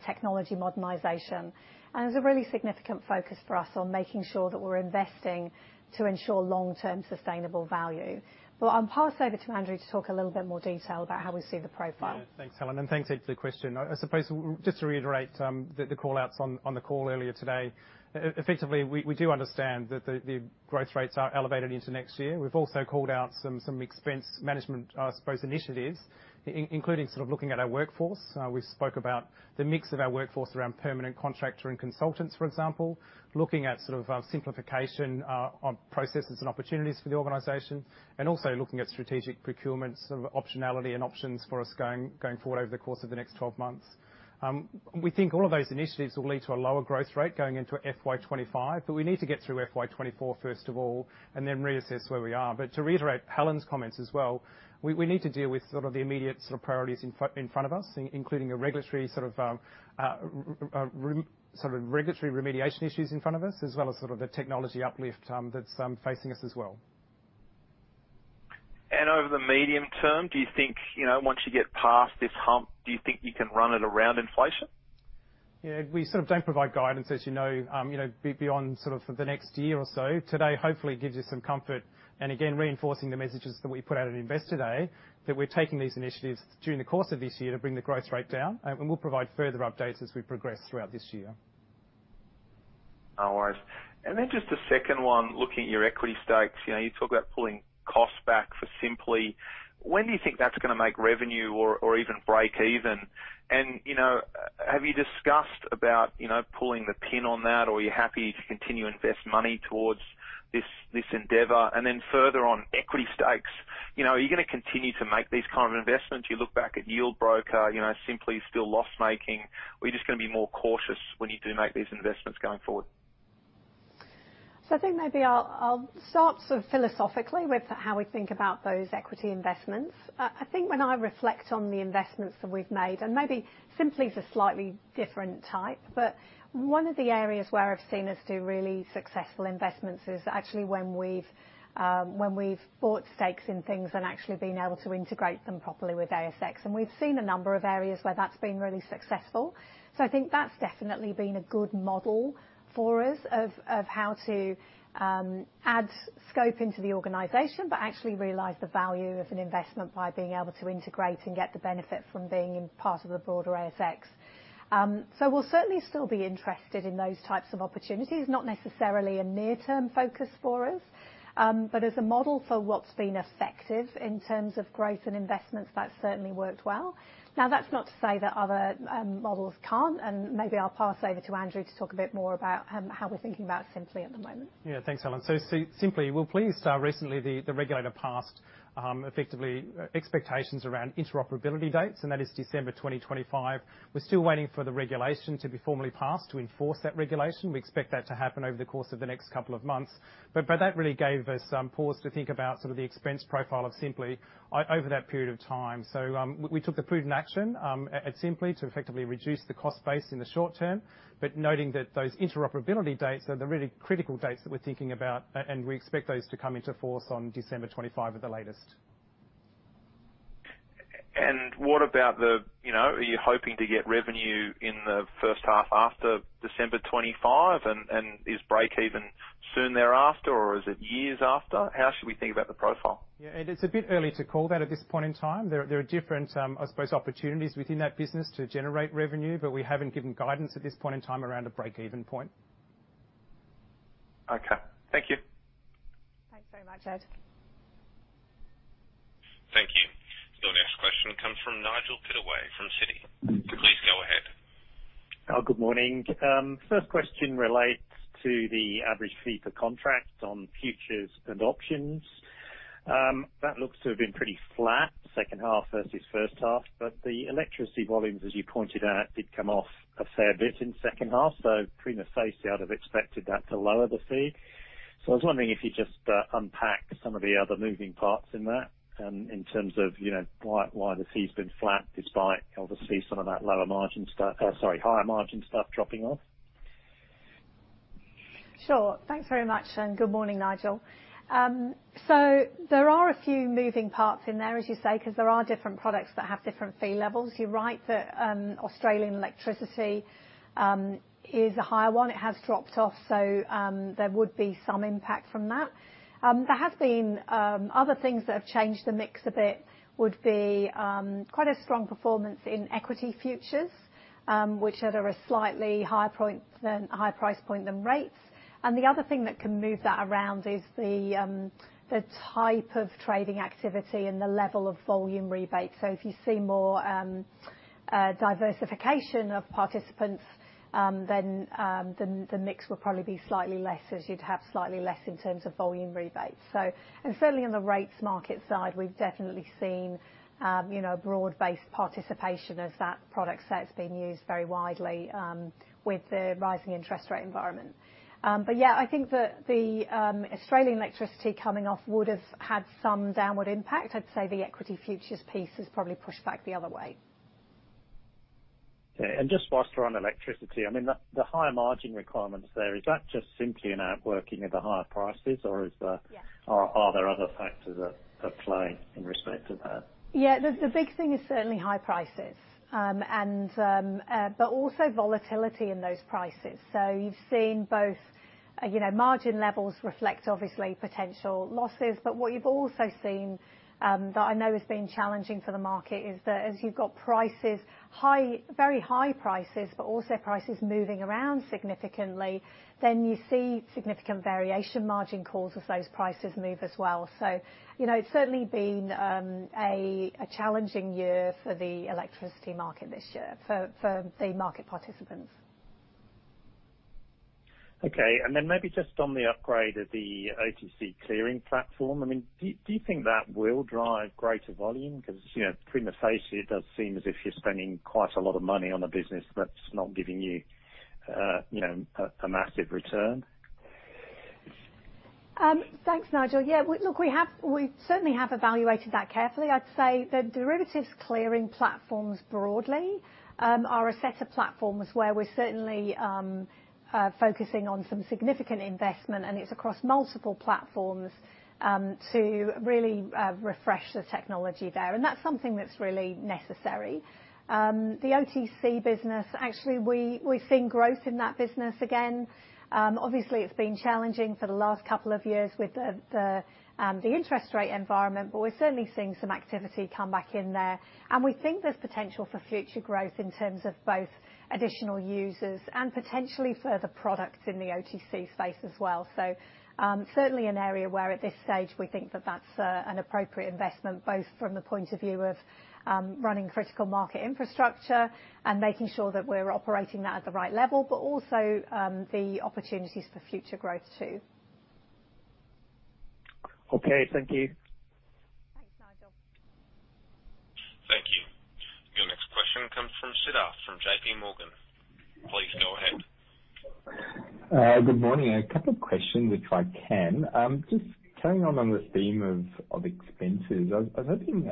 technology modernization. There's a really significant focus for us on making sure that we're investing to ensure long-term sustainable value. I'll pass over to Andrew to talk a little bit more detail about how we see the profile.
Yeah. Thanks, Helen, and thanks, Ed, for the question. I suppose, just to reiterate, the call-outs on the call earlier today, effectively, we do understand that the growth rates are elevated into next year. We've also called out some expense management, I suppose, initiatives, including sort of looking at our workforce. We spoke about the mix of our workforce around permanent contractor and consultants, for example. Looking at sort of simplification on processes and opportunities for the organization, and also looking at strategic procurement, sort of optionality and options for us going forward over the course of the next 12 months. We think all of those initiatives will lead to a lower growth rate going into FY 2025, but we need to get through FY 2024, first of all, and then reassess where we are. To reiterate Helen's comments as well, we, we need to deal with sort of the immediate sort of priorities in front of us, including a regulatory sort of regulatory remediation issues in front of us, as well as sort of the technology uplift that's facing us as well.
Over the medium term, do you think, you know, once you get past this hump, do you think you can run it around inflation?
Yeah, we sort of don't provide guidance, as you know, you know, beyond sort of the next year or so. Today, hopefully, gives you some comfort, and again, reinforcing the messages that we put out at Investor Day, that we're taking these initiatives during the course of this year to bring the growth rate down. We'll provide further updates as we progress throughout this year.
No worries. Then just a second one, looking at your equity stakes. You know, you talk about pulling costs back for Sympli. When do you think that's going to make revenue or, or even break even? You know, have you discussed about, you know, pulling the pin on that, or are you happy to continue to invest money towards this, this endeavor? Then further on, equity stakes. You know, are you going to continue to make these kind of investments? You look back at Yieldbroker, you know, Sympli is still loss-making. Are you just going to be more cautious when you do make these investments going forward?
I think maybe I'll, I'll start sort of philosophically with how we think about those equity investments. I think when I reflect on the investments that we've made, and maybe Sympli is a slightly different type, but one of the areas where I've seen us do really successful investments is actually when we've, when we've bought stakes in things and actually been able to integrate them properly with ASX, and we've seen a number of areas where that's been really successful. I think that's definitely been a good model for us of, of how to, add scope into the organization, but actually realize the value of an investment by being able to integrate and get the benefit from being in part of the broader ASX. We'll certainly still be interested in those types of opportunities, not necessarily a near-term focus for us, but as a model for what's been effective in terms of growth and investments, that certainly worked well. That's not to say that other models can't, and maybe I'll pass over to Andrew to talk a bit more about how we're thinking about Sympli at the moment.
Yeah. Thanks, Helen. Sympli, we're pleased. Recently, the regulator passed effectively expectations around interoperability dates, and that is December 2025. We're still waiting for the regulation to be formally passed to enforce that regulation. We expect that to happen over the course of the next couple of months. That really gave us some pause to think about sort of the expense profile of Sympli over that period of time. We took the prudent action at Sympli to effectively reduce the cost base in the short term, but noting that those interoperability dates are the really critical dates that we're thinking about, and we expect those to come into force on December 25 at the latest.
What about the You know, are you hoping to get revenue in the first half after December 25? Is break even soon thereafter, or is it years after? How should we think about the profile?
Yeah, Ed, it's a bit early to call that at this point in time. There, there are different, I suppose, opportunities within that business to generate revenue, but we haven't given guidance at this point in time around a break-even point.
Okay. Thank you.
Thanks very much, Ed.
Thank you. Your next question comes from Nigel Pittaway from Citigroup. Please go ahead.
Good morning. First question relates to the average fee for contracts on futures and options. That looks to have been pretty flat, second half versus first half, but the electricity volumes, as you pointed out, did come off a fair bit in second half, prima facie, I'd have expected that to lower the fee. I was wondering if you could just unpack some of the other moving parts in that, in terms of, you know, why, why the fee's been flat, despite obviously some of that lower margin stuff-- sorry, higher margin stuff dropping off?
Sure. Thanks very much. Good morning, Nigel. There are a few moving parts in there, as you say, 'cause there are different products that have different fee levels. You're right that Australian electricity is a higher one. It has dropped off. There would be some impact from that. There have been other things that have changed the mix a bit, would be quite a strong performance in equity futures, which are at a slightly higher price point than rates. The other thing that can move that around is the type of trading activity and the level of volume rebates. If you see more diversification of participants, then the mix will probably be slightly less, as you'd have slightly less in terms of volume rebates. Certainly on the rates market side, we've definitely seen, you know, a broad-based participation as that product set's being used very widely with the rising interest rate environment. Yeah, I think that the Australian electricity coming off would've had some downward impact. I'd say the equity futures piece is probably pushed back the other way.
Okay, just whilst we're on electricity, I mean, the higher margin requirements there, is that just simply an outworking of the higher prices, or is the?
Yeah.
Are there other factors at, at play in respect of that?
Yeah, the, the big thing is certainly high prices. Also volatility in those prices. You've seen both, you know, margin levels reflect obviously potential losses. What you've also seen, that I know has been challenging for the market, is that as you've got prices high-- very high prices, but also prices moving around significantly, then you see significant variation margin calls as those prices move as well. You know, it's certainly been, a, a challenging year for the electricity market this year for, for the market participants.
Okay. Then maybe just on the upgrade of the OTC clearing platform, I mean, do you think that will drive greater volume? Because, you know, prima facie, it does seem as if you're spending quite a lot of money on a business that's not giving you, you know, a massive return.
Thanks, Nigel. We certainly have evaluated that carefully. I'd say the derivatives clearing platforms broadly are a set of platforms where we're certainly focusing on some significant investment, and it's across multiple platforms to really refresh the technology there. That's something that's really necessary. The OTC business, actually, we've seen growth in that business again. Obviously, it's been challenging for the last couple of years with the interest rate environment, but we're certainly seeing some activity come back in there. We think there's potential for future growth in terms of both additional users and potentially further products in the OTC space as well. Certainly an area where at this stage, we think that that's an appropriate investment, both from the point of view of running critical market infrastructure and making sure that we're operating that at the right level, but also, the opportunities for future growth, too.
Okay, thank you.
Thanks, Nigel.
Thank you. Your next question comes from Siddharth from JP Morgan. Please go ahead.
Good morning. A couple of questions, if I can. Just carrying on, on the theme of expenses, I was hoping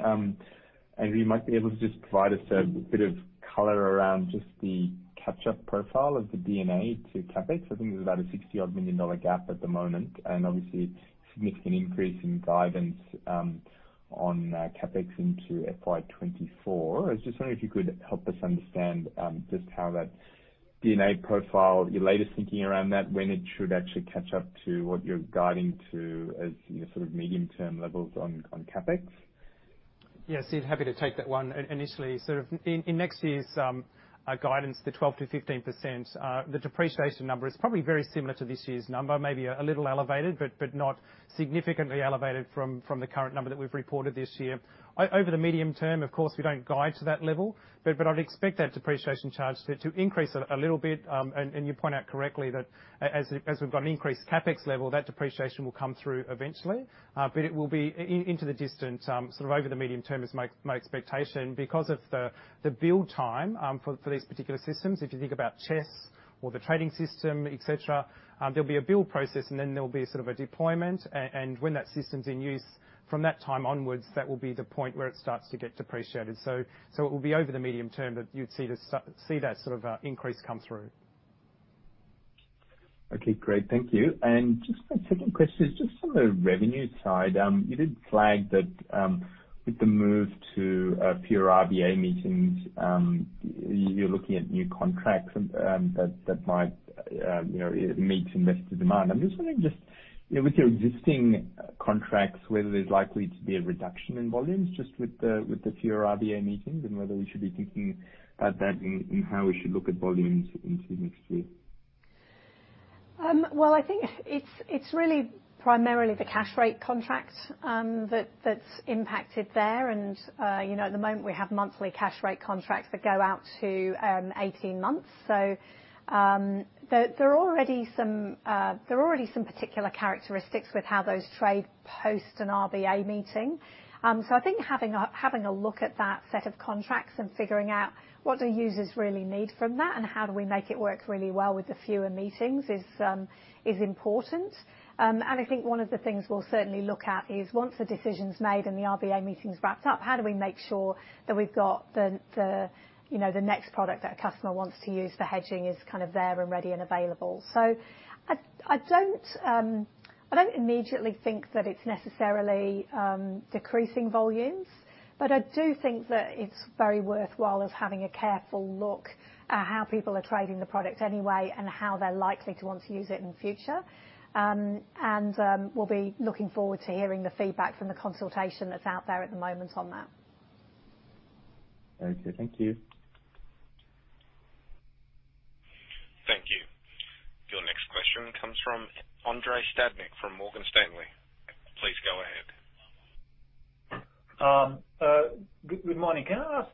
Andrew, you might be able to just provide us a bit of color around just the catch-up profile of the D&A to CapEx. I think there's about an 60-odd million dollar gap at the moment, and obviously a significant increase in guidance on CapEx into FY 2024. I was just wondering if you could help us understand just how that D&A profile, your latest thinking around that, when it should actually catch up to what you're guiding to as, you know, sort of medium-term levels on CapEx.
Yes, Sid, happy to take that one. Initially, sort of in, in next year's guidance, the 12%-15%, the depreciation number is probably very similar to this year's number, maybe a little elevated, but not significantly elevated from the current number that we've reported this year. Over the medium term, of course, we don't guide to that level, but I'd expect that depreciation charge to increase a little bit. You point out correctly that as we've got an increased CapEx level, that depreciation will come through eventually. It will be into the distant, sort of over the medium term is my expectation. Because of the, the build time, for, for these particular systems, if you think about CHESS or the trading system, et cetera, there'll be a build process, and then there'll be sort of a deployment. When that system's in use, from that time onwards, that will be the point where it starts to get depreciated. So it will be over the medium term, that you'd see the see that sort of, increase come through.
Okay, great. Thank you. Just my second question is just on the revenue side. You did flag that, with the move to, fewer RBA meetings, you're looking at new contracts, that, that might, you know, meet investor demand I'm just wondering, just, you know, with your existing contracts, whether there's likely to be a reduction in volumes just with the, with the fewer RBA meetings, and whether we should be thinking about that in, in how we should look at volumes into next year?
Well, I think it's, it's really primarily the cash rate contract that, that's impacted there. You know, at the moment, we have monthly cash rate contracts that go out to 18 months. There, there are already some, there are already some particular characteristics with how those trade post an RBA meeting. I think having a, having a look at that set of contracts and figuring out what do users really need from that, and how do we make it work really well with the fewer meetings is important. I think one of the things we'll certainly look at is once a decision's made and the RBA meeting's wrapped up, how do we make sure that we've got the, the, you know, the next product that a customer wants to use for hedging is kind of there and ready and available? I, I don't, I don't immediately think that it's necessarily decreasing volumes, but I do think that it's very worthwhile as having a careful look at how people are trading the product anyway, and how they're likely to want to use it in the future. We'll be looking forward to hearing the feedback from the consultation that's out there at the moment on that.
Okay. Thank you.
Thank you. Your next question comes from Andrei Stadnik from Morgan Stanley. Please go ahead.
Good morning. Can I ask,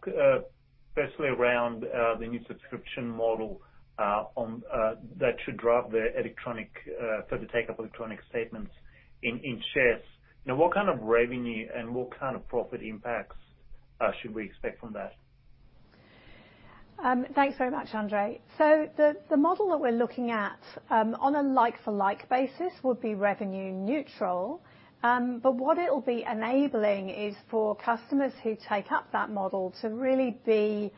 firstly, around the new subscription model on that should drive the electronic further take-up of electronic statements in shares? What kind of revenue and what kind of profit impacts should we expect from that?
Thanks very much, Andre. The, the model that we're looking at, on a like-for-like basis would be revenue neutral. What it'll be enabling is for customers who take up that model to really be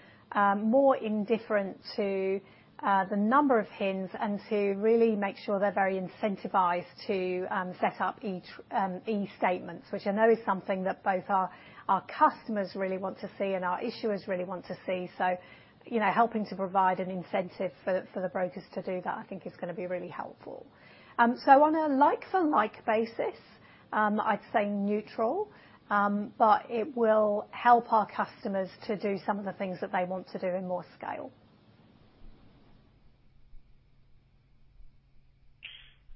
more indifferent to the number of HINs and to really make sure they're very incentivized to set up each e-statements, which I know is something that both our, our customers really want to see and our issuers really want to see. You know, helping to provide an incentive for the, for the brokers to do that, I think is going to be really helpful. On a like-for-like basis, I'd say neutral. It will help our customers to do some of the things that they want to do in more scale.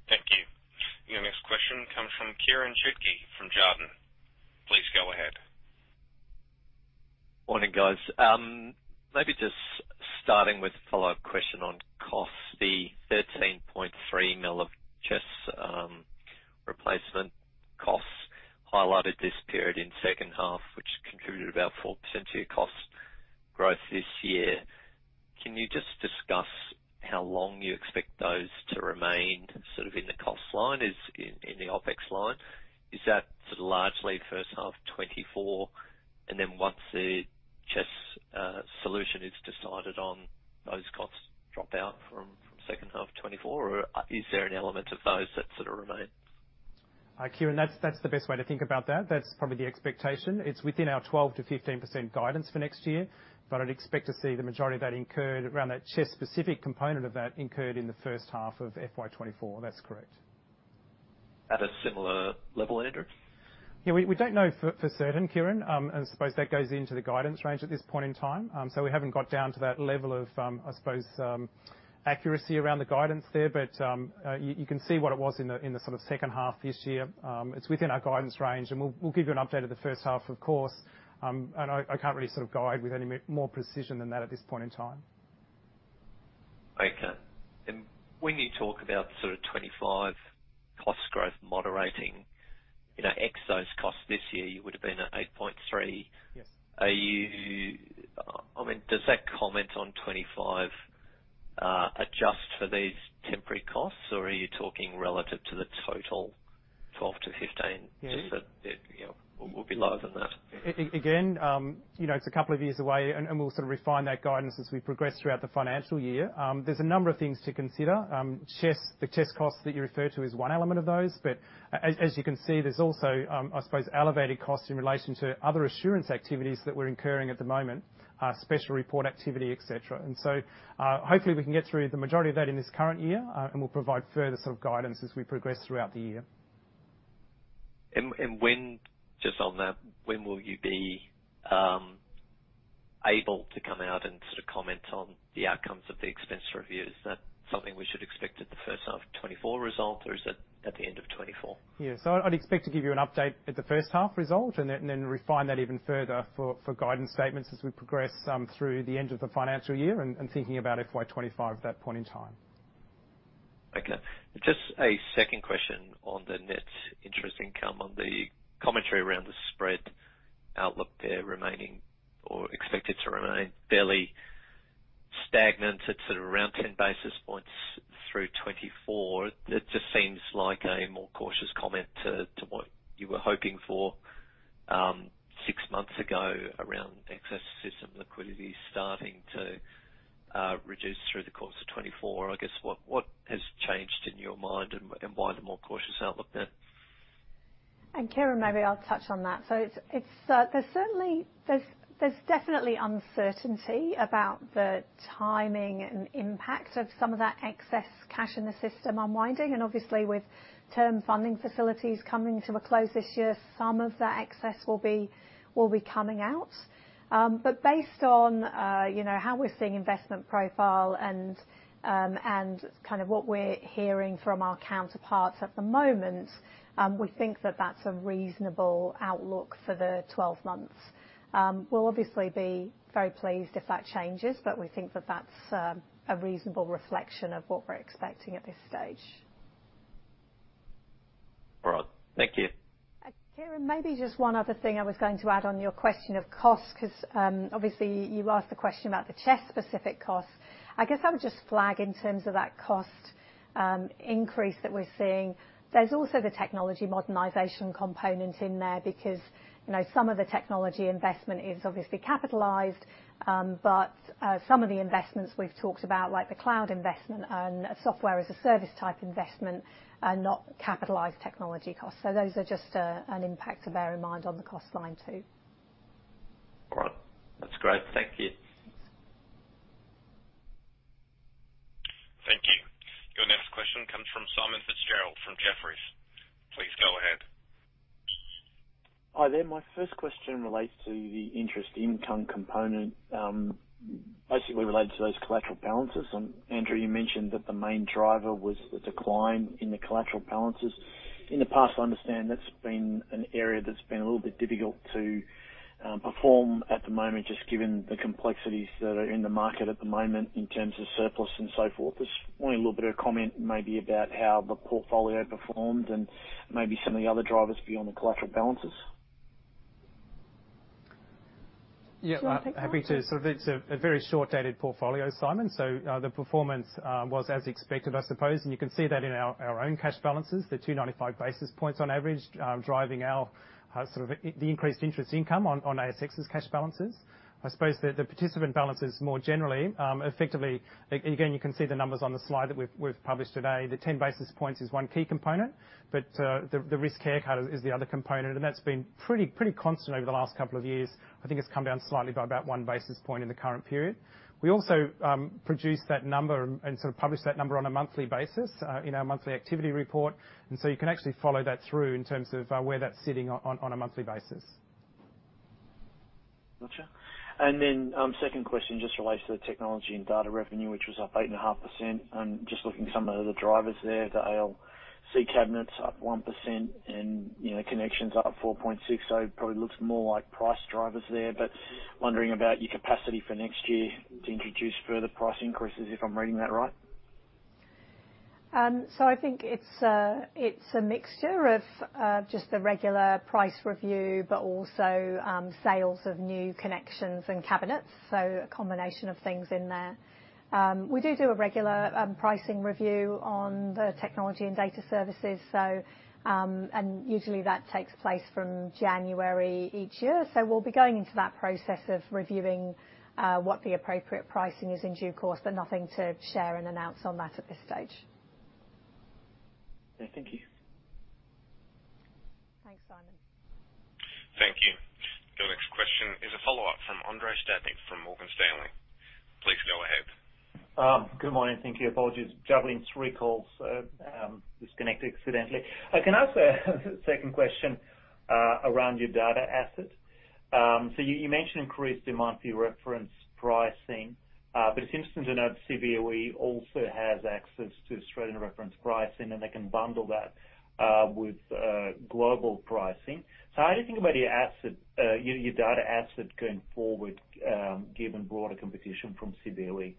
Thank you. Your next question comes from Kieran Chidgey from Jarden. Please go ahead.
Morning, guys. Maybe just starting with a follow-up question on costs. The 13.3 million of CHESS replacement costs highlighted this period in second half, which contributed about 4% to your cost growth this year. Can you just discuss how long you expect those to remain sort of in the cost line? In, in the OpEx line, is that largely first half 2024, and then once the CHESS solution is decided on, those costs drop out from second half 2024, or is there an element of those that sort of remain?
Hi, Kieran. That's, that's the best way to think about that. That's probably the expectation. It's within our 12%-15% guidance for next year, but I'd expect to see the majority of that incurred around that CHESS specific component of that incurred in the first half of FY 2024. That's correct.
At a similar level, Andrew?
Yeah, we, we don't know for, for certain, Kieran. I suppose that goes into the guidance range at this point in time. We haven't got down to that level of, I suppose, accuracy around the guidance there, but you can see what it was in the sort of second half this year. It's within our guidance range, and we'll, we'll give you an update of the first half, of course, and I, I can't really sort of guide with any more precision than that at this point in time.
Okay. When you talk about sort of 25 cost growth moderating, you know, ex those costs this year, you would have been at 8.3.
Yes.
I mean, does that comment on FY 2025 adjust for these temporary costs, or are you talking relative to the total 12-15?
Yeah.
Just that, it, you know, will be lower than that.
Again, you know, it's a couple of years away, and we'll sort of refine that guidance as we progress throughout the financial year. There's a number of things to consider. CHESS, the CHESS costs that you refer to is one element of those, but as you can see, there's also, I suppose, elevated costs in relation to other assurance activities that we're incurring at the moment, special report activity, et cetera. So, hopefully, we can get through the majority of that in this current year, and we'll provide further sort of guidance as we progress throughout the year.
And just on that, when will you be able to come out and sort of comment on the outcomes of the expense review? Is that something we should expect at the first half of 2024 result, or is it at the end of 2024?
Yeah. I'd expect to give you an update at the first half result, and then, and then refine that even further for, for guidance statements as we progress through the end of the financial year and, and thinking about FY 2025 at that point in time.
Okay. Just a second question on the net interest income. On the commentary around the spread outlook there remaining or expected to remain fairly stagnant at sort of around 10 basis points through 2024. It just seems like a more cautious comment to what you were hoping for 6 months ago around excess system liquidity starting to reduce through the course of 2024. I guess, what has changed in your mind and why the more cautious outlook there?
Kieran, maybe I'll touch on that. It's, there's certainly, there's definitely uncertainty about the timing and impact of some of that excess cash in the system unwinding, and obviously with Term Funding Facility coming to a close this year, some of that excess will be, will be coming out. Based on, you know, how we're seeing investment profile and, and kind of what we're hearing from our counterparts at the moment, we think that that's a reasonable outlook for the 12 months. We'll obviously be very pleased if that changes, but we think that that's, a reasonable reflection of what we're expecting at this stage.
All right. Thank you.
Kieran, maybe just one other thing I was going to add on your question of cost, because, obviously, you asked a question about the CHESS specific costs. I guess I would just flag in terms of that cost increase that we're seeing. There's also the technology modernization component in there, because, you know, some of the technology investment is obviously capitalized. Some of the investments we've talked about, like the cloud investment and Software as a Service type investment, are not capitalized technology costs. Those are just an impact to bear in mind on the cost line, too.
All right. That's great. Thank you.
Thank you. Your next question comes from Simon Fitzgerald from Jefferies. Please go ahead.
Hi there. My first question relates to the interest income component, basically related to those collateral balances. Andrew, you mentioned that the main driver was the decline in the collateral balances. In the past, I understand that's been an area that's been a little bit difficult to perform at the moment, just given the complexities that are in the market at the moment in terms of surplus and so forth. Just wanting a little bit of comment maybe about how the portfolio performed and maybe some of the other drivers beyond the collateral balances.
Yeah, happy to. It's a very short-dated portfolio, Simon, so the performance was as expected, I suppose, and you can see that in our, our own cash balances, the 295 basis points on average, driving our, sort of, the increased interest income on ASX's cash balances. I suppose the participant balances more generally, effectively, again, you can see the numbers on the slide that we've, we've published today. The 10 basis points is one key component, but the risk haircut is the other component, and that's been pretty, pretty constant over the last couple of years. I think it's come down slightly by about 1 basis point in the current period. We also produced that number and sort of published that number on a monthly basis, in our monthly activity report. You can actually follow that through in terms of, where that's sitting on a monthly basis.
Gotcha. Second question just relates to the technology and data revenue, which was up 8.5%. Just looking at some of the other drivers there, the ALC cabinet's up 1% and, you know, connections up 4.6, so it probably looks more like price drivers there, but wondering about your capacity for next year to introduce further price increases, if I'm reading that right?
I think it's a mixture of just the regular price review, but also sales of new connections and cabinets, so a combination of things in there. We do a regular pricing review on the technology and data services. Usually, that takes place from January each year. We'll be going into that process of reviewing what the appropriate pricing is in due course, but nothing to share and announce on that at this stage.
Yeah, thank you.
Thanks, Simon.
Thank you. The next question is a follow-up from Andrei Stadnik from Morgan Stanley. Please go ahead.
Good morning. Thank you. Apologies, juggling 3 calls, disconnected accidentally. I can ask a second question, around your data asset? You, you mentioned increased monthly reference pricing, but it's interesting to note, Cboe also has access to Australian reference pricing, and they can bundle that, with, global pricing. How do you think about your asset, your, your data asset going forward, given broader competition from Cboe?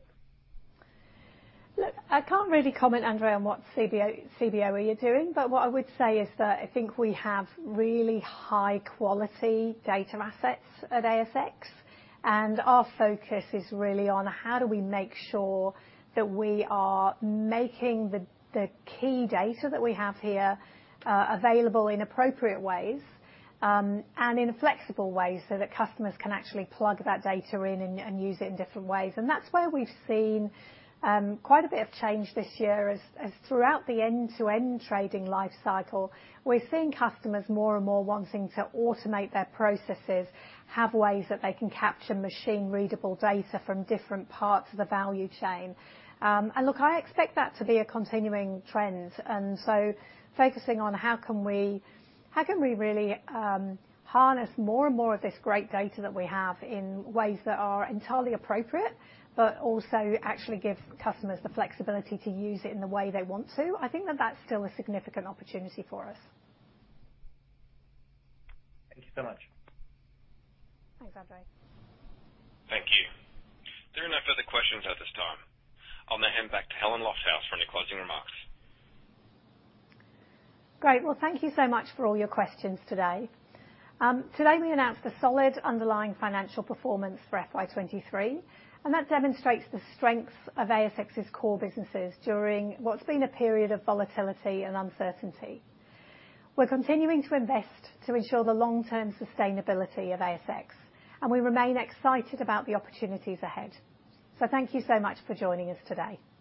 Look, I can't really comment, Andrei, on what Cboe are doing. What I would say is that I think we have really high-quality data assets at ASX, and our focus is really on: How do we make sure that we are making the, the key data that we have here, available in appropriate ways, and in flexible ways, so that customers can actually plug that data in and, and use it in different ways? That's where we've seen quite a bit of change this year as throughout the end-to-end trading life cycle, we're seeing customers more and more wanting to automate their processes, have ways that they can capture machine-readable data from different parts of the value chain. Look, I expect that to be a continuing trend, focusing on: How can we, how can we really harness more and more of this great data that we have in ways that are entirely appropriate, but also actually give customers the flexibility to use it in the way they want to? I think that that's still a significant opportunity for us.
Thank you so much.
Thanks, Andrei.
Thank you. There are no further questions at this time. I'll now hand back to Helen Lofthouse for any closing remarks.
Great. Well, thank you so much for all your questions today. Today, we announced a solid underlying financial performance for FY 2023, and that demonstrates the strengths of ASX's core businesses during what's been a period of volatility and uncertainty. We're continuing to invest to ensure the long-term sustainability of ASX, and we remain excited about the opportunities ahead. Thank you so much for joining us today.
Thank you.